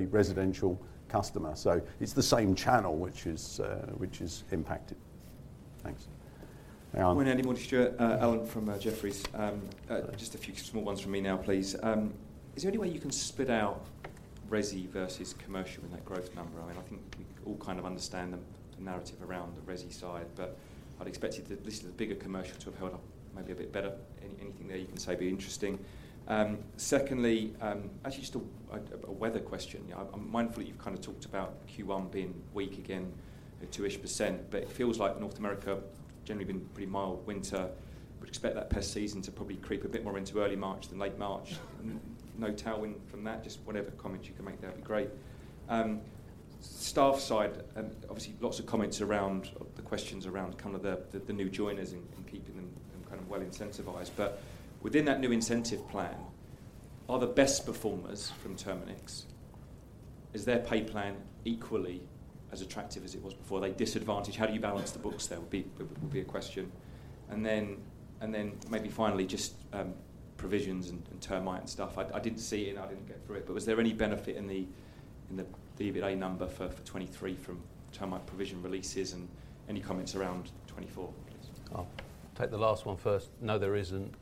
residential customer. So it's the same channel which is impacted. Thanks. Good morning, Andy, Stuart, Allen from Jefferies. Just a few small ones from me now, please. Is there any way you can spit out Resi versus commercial in that growth number? I mean, I think we all kind of understand the narrative around the Resi side, but I'd expect at least the bigger commercial to have held up maybe a bit better. Anything there you can say would be interesting. Secondly, actually just a weather question. I'm mindful that you've kind of talked about Q1 being weak again, a 2%-ish, but it feels like North America generally been pretty mild winter. Would expect that pest season to probably creep a bit more into early March than late March. No tailwind from that. Just whatever comment you can make there would be great. Staff side, obviously, lots of comments around the questions around kind of the new joiners and keeping them kind of well incentivized. But within that new incentive plan, are the best performers from Terminix? Is their pay plan equally as attractive as it was before? Are they disadvantaged? How do you balance the books there would be a question. And then maybe finally, just provisions and Termite and stuff. I didn't see it, and I didn't get through it. But was there any benefit in the EBITDA number for 2023 from Termite provision releases and any comments around 2024, please? I'll take the last one first. No, there isn't.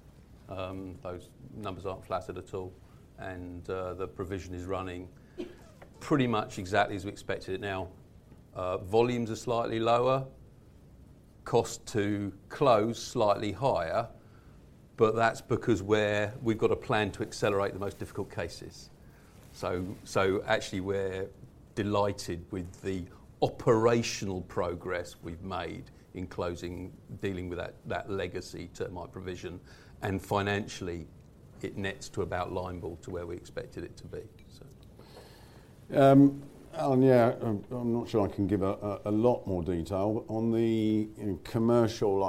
Those numbers aren't flattered at all. And the provision is running pretty much exactly as we expected it. Now, volumes are slightly lower. Cost to close is slightly higher. But that's because we've got a plan to accelerate the most difficult cases. So actually, we're delighted with the operational progress we've made in closing, dealing with that legacy Termite provision. And financially, it nets to about line ball to where we expected it to be. Allen, yeah, I'm not sure I can give a lot more detail. But on the commercial,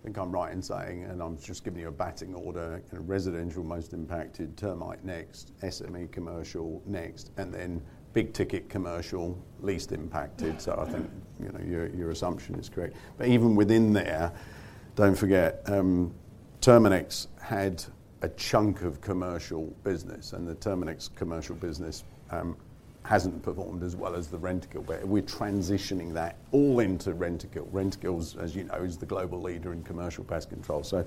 I think I'm right in saying, and I'm just giving you a batting order, residential most impacted, Termite next, SME commercial next, and then big-ticket commercial least impacted. So I think your assumption is correct. But even within there, don't forget, Terminix had a chunk of commercial business. And the Terminix commercial business hasn't performed as well as the Rentokil. But we're transitioning that all into Rentokil. Rentokil, as you know, is the global leader in commercial pest control. So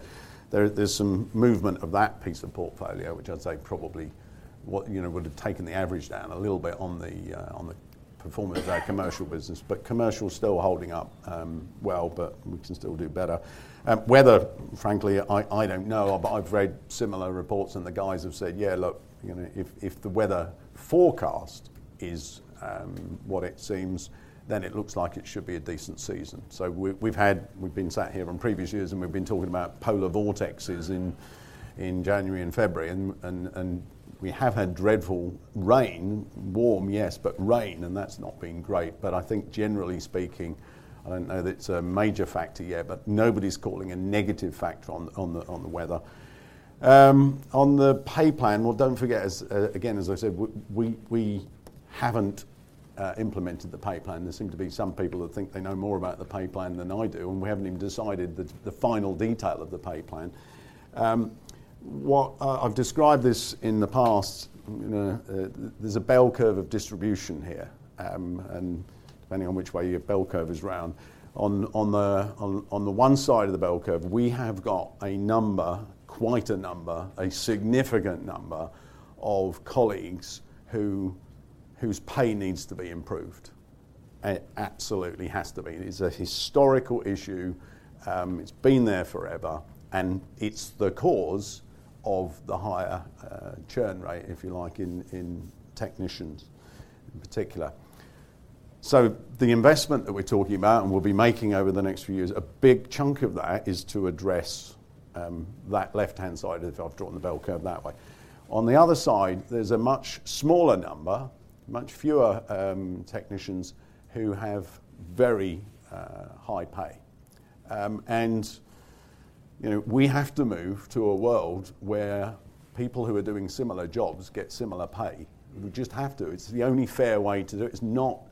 there's some movement of that piece of portfolio, which I'd say probably would have taken the average down a little bit on the performance of our commercial business. But commercial is still holding up well, but we can still do better. Weather, frankly, I don't know. But I've read similar reports, and the guys have said, "Yeah. Look, if the weather forecast is what it seems, then it looks like it should be a decent season." So we've been sat here on previous years, and we've been talking about polar vortexes in January and February. And we have had dreadful rain, warm, yes, but rain. And that's not been great. But I think generally speaking, I don't know that it's a major factor yet, but nobody's calling a negative factor on the weather. On the pay plan, well, don't forget, again, as I said, we haven't implemented the pay plan. There seem to be some people that think they know more about the pay plan than I do. And we haven't even decided the final detail of the pay plan. I've described this in the past. There's a bell curve of distribution here. And depending on which way your bell curve is round, on the one side of the bell curve, we have got a number, quite a number, a significant number of colleagues whose pay needs to be improved. It absolutely has to be. It's a historical issue. It's been there forever. And it's the cause of the higher churn rate, if you like, in technicians in particular. So the investment that we're talking about and we'll be making over the next few years, a big chunk of that is to address that left-hand side if I've drawn the bell curve that way. On the other side, there's a much smaller number, much fewer technicians who have very high pay. And we have to move to a world where people who are doing similar jobs get similar pay. We just have to. It's the only fair way to do it. It's not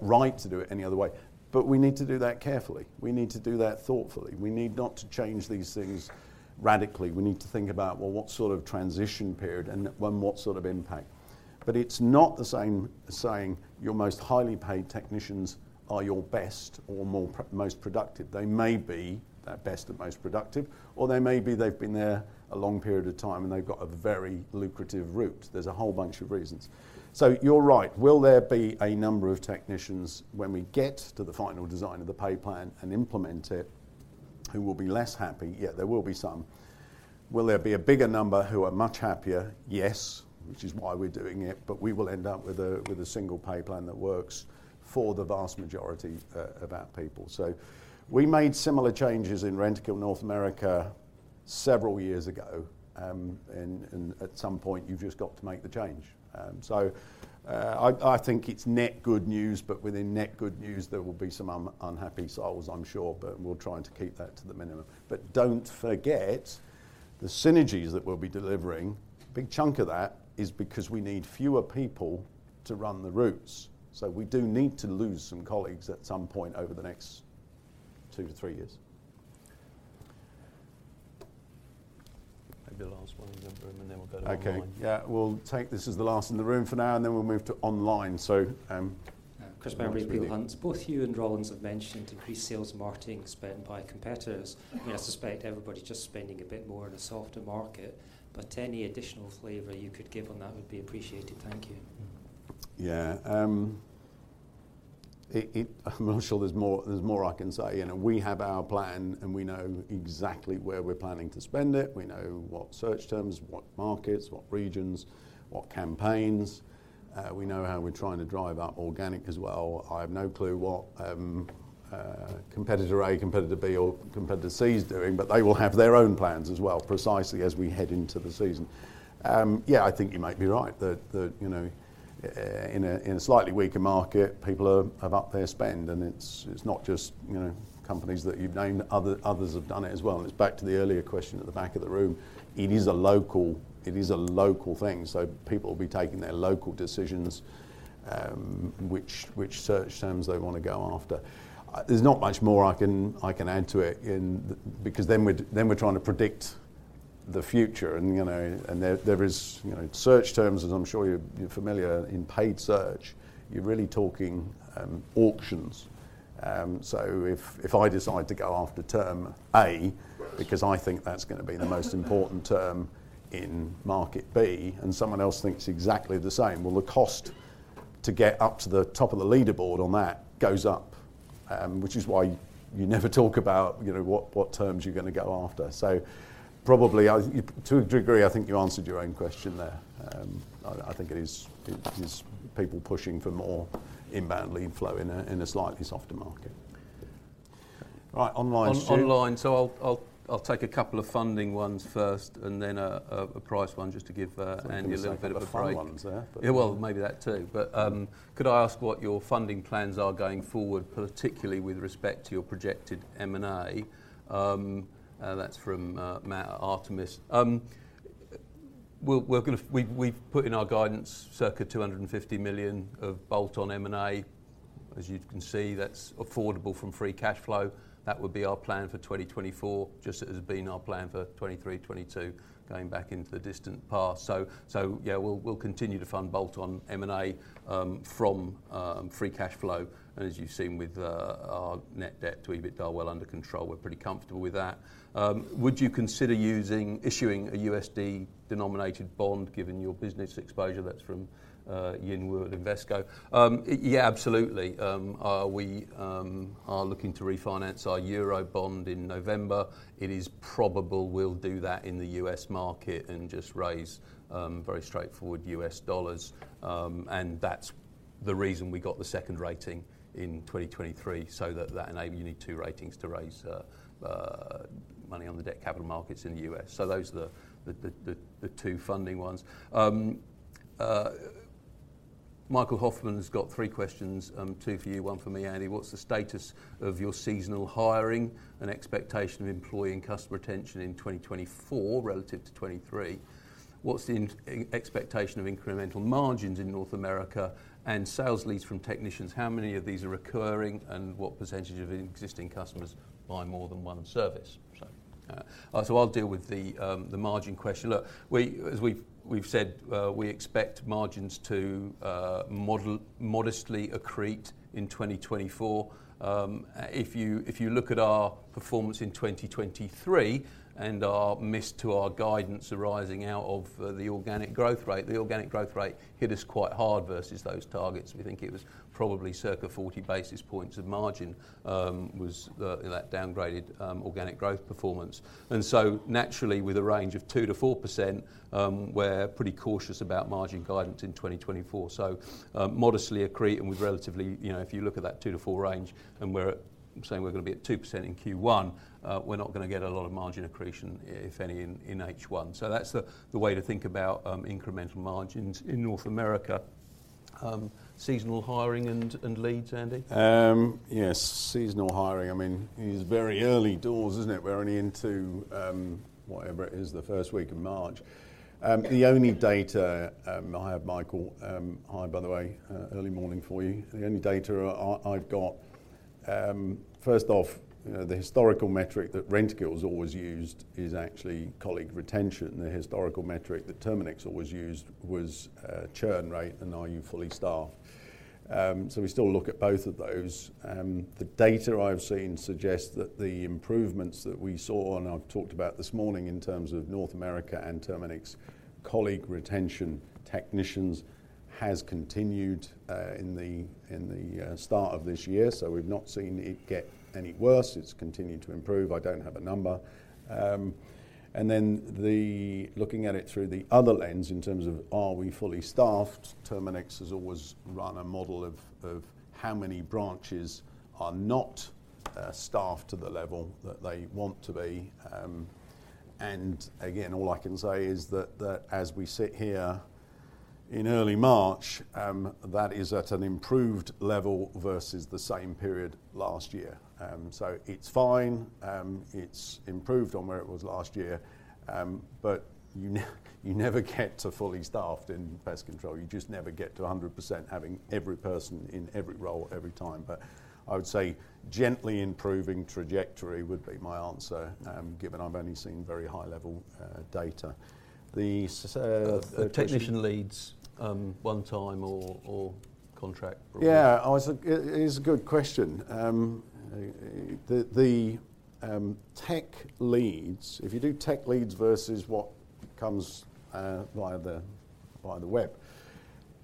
right to do it any other way. But we need to do that carefully. We need to do that thoughtfully. We need not to change these things radically. We need to think about, well, what sort of transition period and what sort of impact. But it's not the same saying your most highly paid technicians are your best or most productive. They may be that best and most productive, or they may be they've been there a long period of time and they've got a very lucrative route. There's a whole bunch of reasons. You're right. Will there be a number of technicians when we get to the final design of the pay plan and implement it who will be less happy? Yes, there will be some. Will there be a bigger number who are much happier? Yes, which is why we're doing it. We will end up with a single pay plan that works for the vast majority of our people. We made similar changes in Rentokil North America, several years ago. At some point, you've just got to make the change. I think it's net good news. Within net good news, there will be some unhappy souls, I'm sure. But we'll try to keep that to the minimum. But don't forget the synergies that we'll be delivering, a big chunk of that is because we need fewer people to run the routes. So we do need to lose some colleagues at some point over the next 2-3 years. Maybe the last one in the room, and then we'll go to online. Okay. Yeah. We'll take this as the last in the room for now, and then we'll move to online. So. Christopher Bamberry, Peel Hunt. Both you and Rollins have mentioned increased sales marketing spend by competitors. I mean, I suspect everybody's just spending a bit more in a softer market. But any additional flavor you could give on that would be appreciated. Thank you. Yeah. I'm not sure there's more I can say. We have our plan, and we know exactly where we're planning to spend it. We know what search terms, what markets, what regions, what campaigns. We know how we're trying to drive up organic as well. I have no clue what competitor A, competitor B, or competitor C is doing. But they will have their own plans as well precisely as we head into the season. Yeah, I think you might be right. In a slightly weaker market, people have upped their spend. And it's not just companies that you've named. Others have done it as well. And it's back to the earlier question at the back of the room. It is a local thing. So people will be taking their local decisions which search terms they want to go after. There's not much more I can add to it because then we're trying to predict the future. There is search terms, as I'm sure you're familiar in paid search. You're really talking auctions. So if I decide to go after term A because I think that's going to be the most important term in market B and someone else thinks exactly the same, well, the cost to get up to the top of the leaderboard on that goes up, which is why you never talk about what terms you're going to go after. So to a degree, I think you answered your own question there. I think it is people pushing for more inbound lead flow in a slightly softer market. All right. Online question. Online. So I'll take a couple of funding ones first and then a price one just to give Andy a little bit of a break. I think there's some fun ones there. Yeah. Well, maybe that too. But could I ask what your funding plans are going forward, particularly with respect to your projected M&A? That's from Matt Evans, Artemis. We've put in our guidance circa 250 million of bolt-on M&A. As you can see, that's affordable from free cash flow. That would be our plan for 2024 just as it has been our plan for 2023, 2022 going back into the distant past. So yeah, we'll continue to fund bolt-on M&A from free cash flow. And as you've seen with our net debt to EBITDA are well under control. We're pretty comfortable with that. Would you consider issuing a USD-denominated bond given your business exposure? That's from Iain Wood, Invesco. Yeah, absolutely. We are looking to refinance our Eurobond in November. It is probable we'll do that in the U.S. market and just raise very straightforward U.S. dollars. That's the reason we got the second rating in 2023 so that you need two ratings to raise money on the debt capital markets in the U.S. Those are the two funding ones. Michael Hoffman has got three questions, two for you, one for me. Andy, what's the status of your seasonal hiring and expectation of employee and customer retention in 2024 relative to 2023? What's the expectation of incremental margins in North America and sales leads from technicians? How many of these are recurring, and what percentage of existing customers buy more than one service? I'll deal with the margin question. Look, as we've said, we expect margins to modestly accrete in 2024. If you look at our performance in 2023 and our miss to our guidance arising out of the organic growth rate, the organic growth rate hit us quite hard versus those targets. We think it was probably circa 40 basis points of margin in that downgraded organic growth performance. And so naturally, with a range of 2%-4%, we're pretty cautious about margin guidance in 2024. So modestly accrete and with relatively if you look at that 2%-4% range and we're saying we're going to be at 2% in Q1, we're not going to get a lot of margin accretion, if any, in H1. So that's the way to think about incremental margins in North America. Seasonal hiring and leads, Andy? Yes. Seasonal hiring. I mean, it's very early doors, isn't it? We're only into whatever it is, the first week of March. The only data I have, Michael, hired by the way, early morning for you. The only data I've got, first off, the historical metric that Rentokil has always used is actually colleague retention. The historical metric that Terminix always used was churn rate and are you fully staffed. So we still look at both of those. The data I've seen suggests that the improvements that we saw, and I've talked about this morning, in terms of North America and Terminix colleague retention technicians has continued in the start of this year. So we've not seen it get any worse. It's continued to improve. I don't have a number. And then looking at it through the other lens in terms of are we fully staffed, Terminix has always run a model of how many branches are not staffed to the level that they want to be. And again, all I can say is that as we sit here in early March, that is at an improved level versus the same period last year. So it's fine. It's improved on where it was last year. But you never get to fully staffed in pest control. You just never get to 100% having every person in every role every time. But I would say gently improving trajectory would be my answer given I've only seen very high-level data. The technician leads one time or contract? Yeah. It's a good question. The tech leads if you do tech leads versus what comes via the web,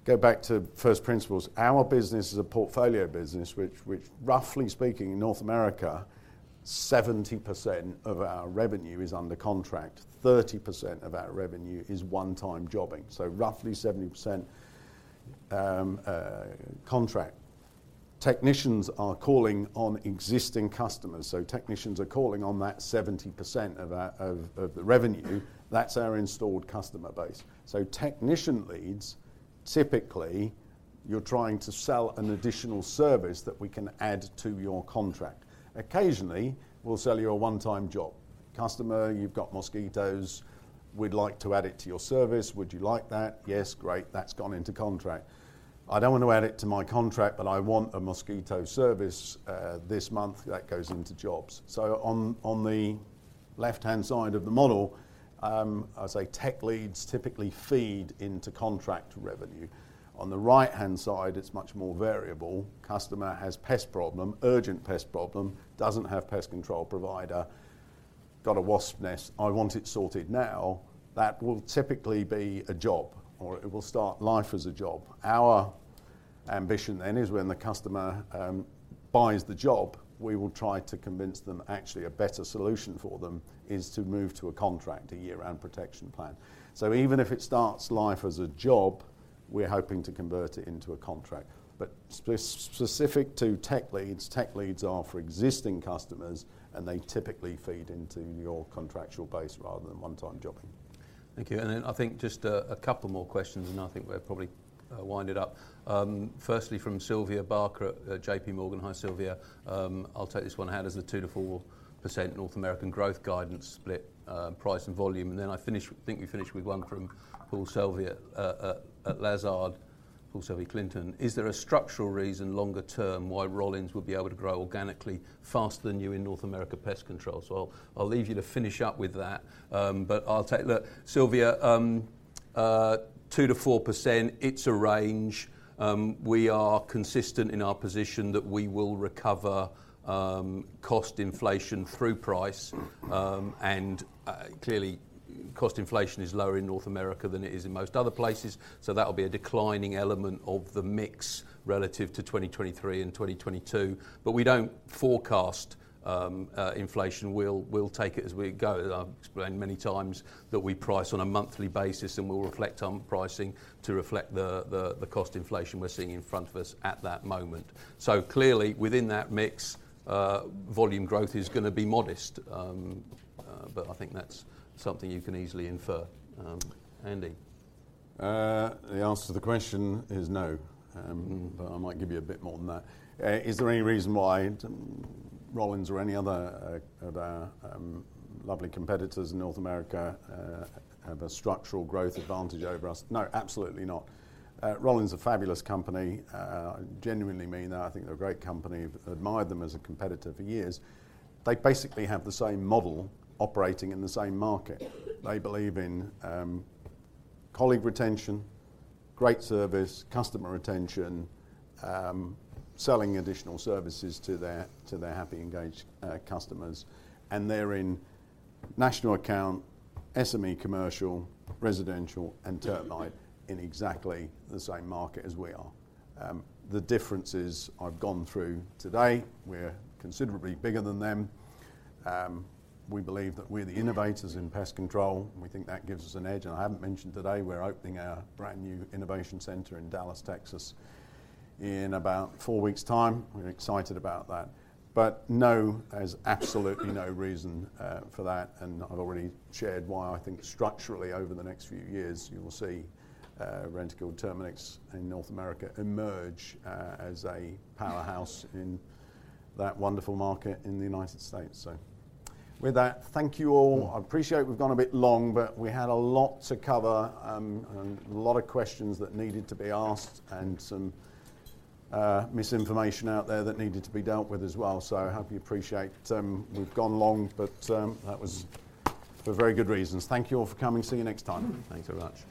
go back to first principles. Our business is a portfolio business which, roughly speaking, in North America, 70% of our revenue is under contract. 30% of our revenue is one-time jobbing. So roughly 70% contract. Technicians are calling on existing customers. So technicians are calling on that 70% of the revenue. That's our installed customer base. So technician leads, typically, you're trying to sell an additional service that we can add to your contract. Occasionally, we'll sell you a one-time job. Customer, you've got mosquitoes. We'd like to add it to your service. Would you like that? Yes. Great. That's gone into contract. I don't want to add it to my contract, but I want a mosquito service this month. That goes into jobs. So on the left-hand side of the model, I'll say tech leads typically feed into contract revenue. On the right-hand side, it's much more variable. Customer has pest problem, urgent pest problem, doesn't have pest control provider, got a wasp nest, I want it sorted now, that will typically be a job or it will start life as a job. Our ambition then is when the customer buys the job, we will try to convince them actually a better solution for them is to move to a contract, a year-round protection plan. So even if it starts life as a job, we're hoping to convert it into a contract. But specific to tech leads, tech leads are for existing customers, and they typically feed into your contractual base rather than one-time jobbing. Thank you. And then I think just a couple more questions, and I think we're probably wound up. Firstly, from Sylvia Barker at J.P. Morgan. Hi, Sylvia. I'll take this one. How does the 2%-4% North American growth guidance split price and volume? And then I think we finished with one from Paul Selvey-Clinton at Lazard, Paul Selvey-Clinton. Is there a structural reason longer term why Rollins would be able to grow organically faster than you in North America pest controls? Well, I'll leave you to finish up with that. But I'll take look, Sylvia, 2%-4%, it's a range. We are consistent in our position that we will recover cost inflation through price. Clearly, cost inflation is lower in North America than it is in most other places. That will be a declining element of the mix relative to 2023 and 2022. We don't forecast inflation. We'll take it as we go. As I've explained many times, that we price on a monthly basis, and we'll reflect on pricing to reflect the cost inflation we're seeing in front of us at that moment. Clearly, within that mix, volume growth is going to be modest. I think that's something you can easily infer. Andy? The answer to the question is no. I might give you a bit more than that. Is there any reason why Rollins or any other of our lovely competitors in North America have a structural growth advantage over us? No, absolutely not. Rollins is a fabulous company. I genuinely mean that. I think they're a great company. I've admired them as a competitor for years. They basically have the same model operating in the same market. They believe in colleague retention, great service, customer retention, selling additional services to their happy, engaged customers. And they're in national account, SME commercial, residential, and termite in exactly the same market as we are. The differences I've gone through today, we're considerably bigger than them. We believe that we're the innovators in pest control. We think that gives us an edge. And I haven't mentioned today, we're opening our brand new innovation center in Dallas, Texas, in about four weeks' time. We're excited about that. But no, there's absolutely no reason for that. I've already shared why I think structurally over the next few years you will see Rentokil and Terminix in North America emerge as a powerhouse in that wonderful market in the United States. So with that, thank you all. I appreciate we've gone a bit long, but we had a lot to cover and a lot of questions that needed to be asked and some misinformation out there that needed to be dealt with as well. So I hope you appreciate we've gone long, but that was for very good reasons. Thank you all for coming. See you next time. Thanks very much.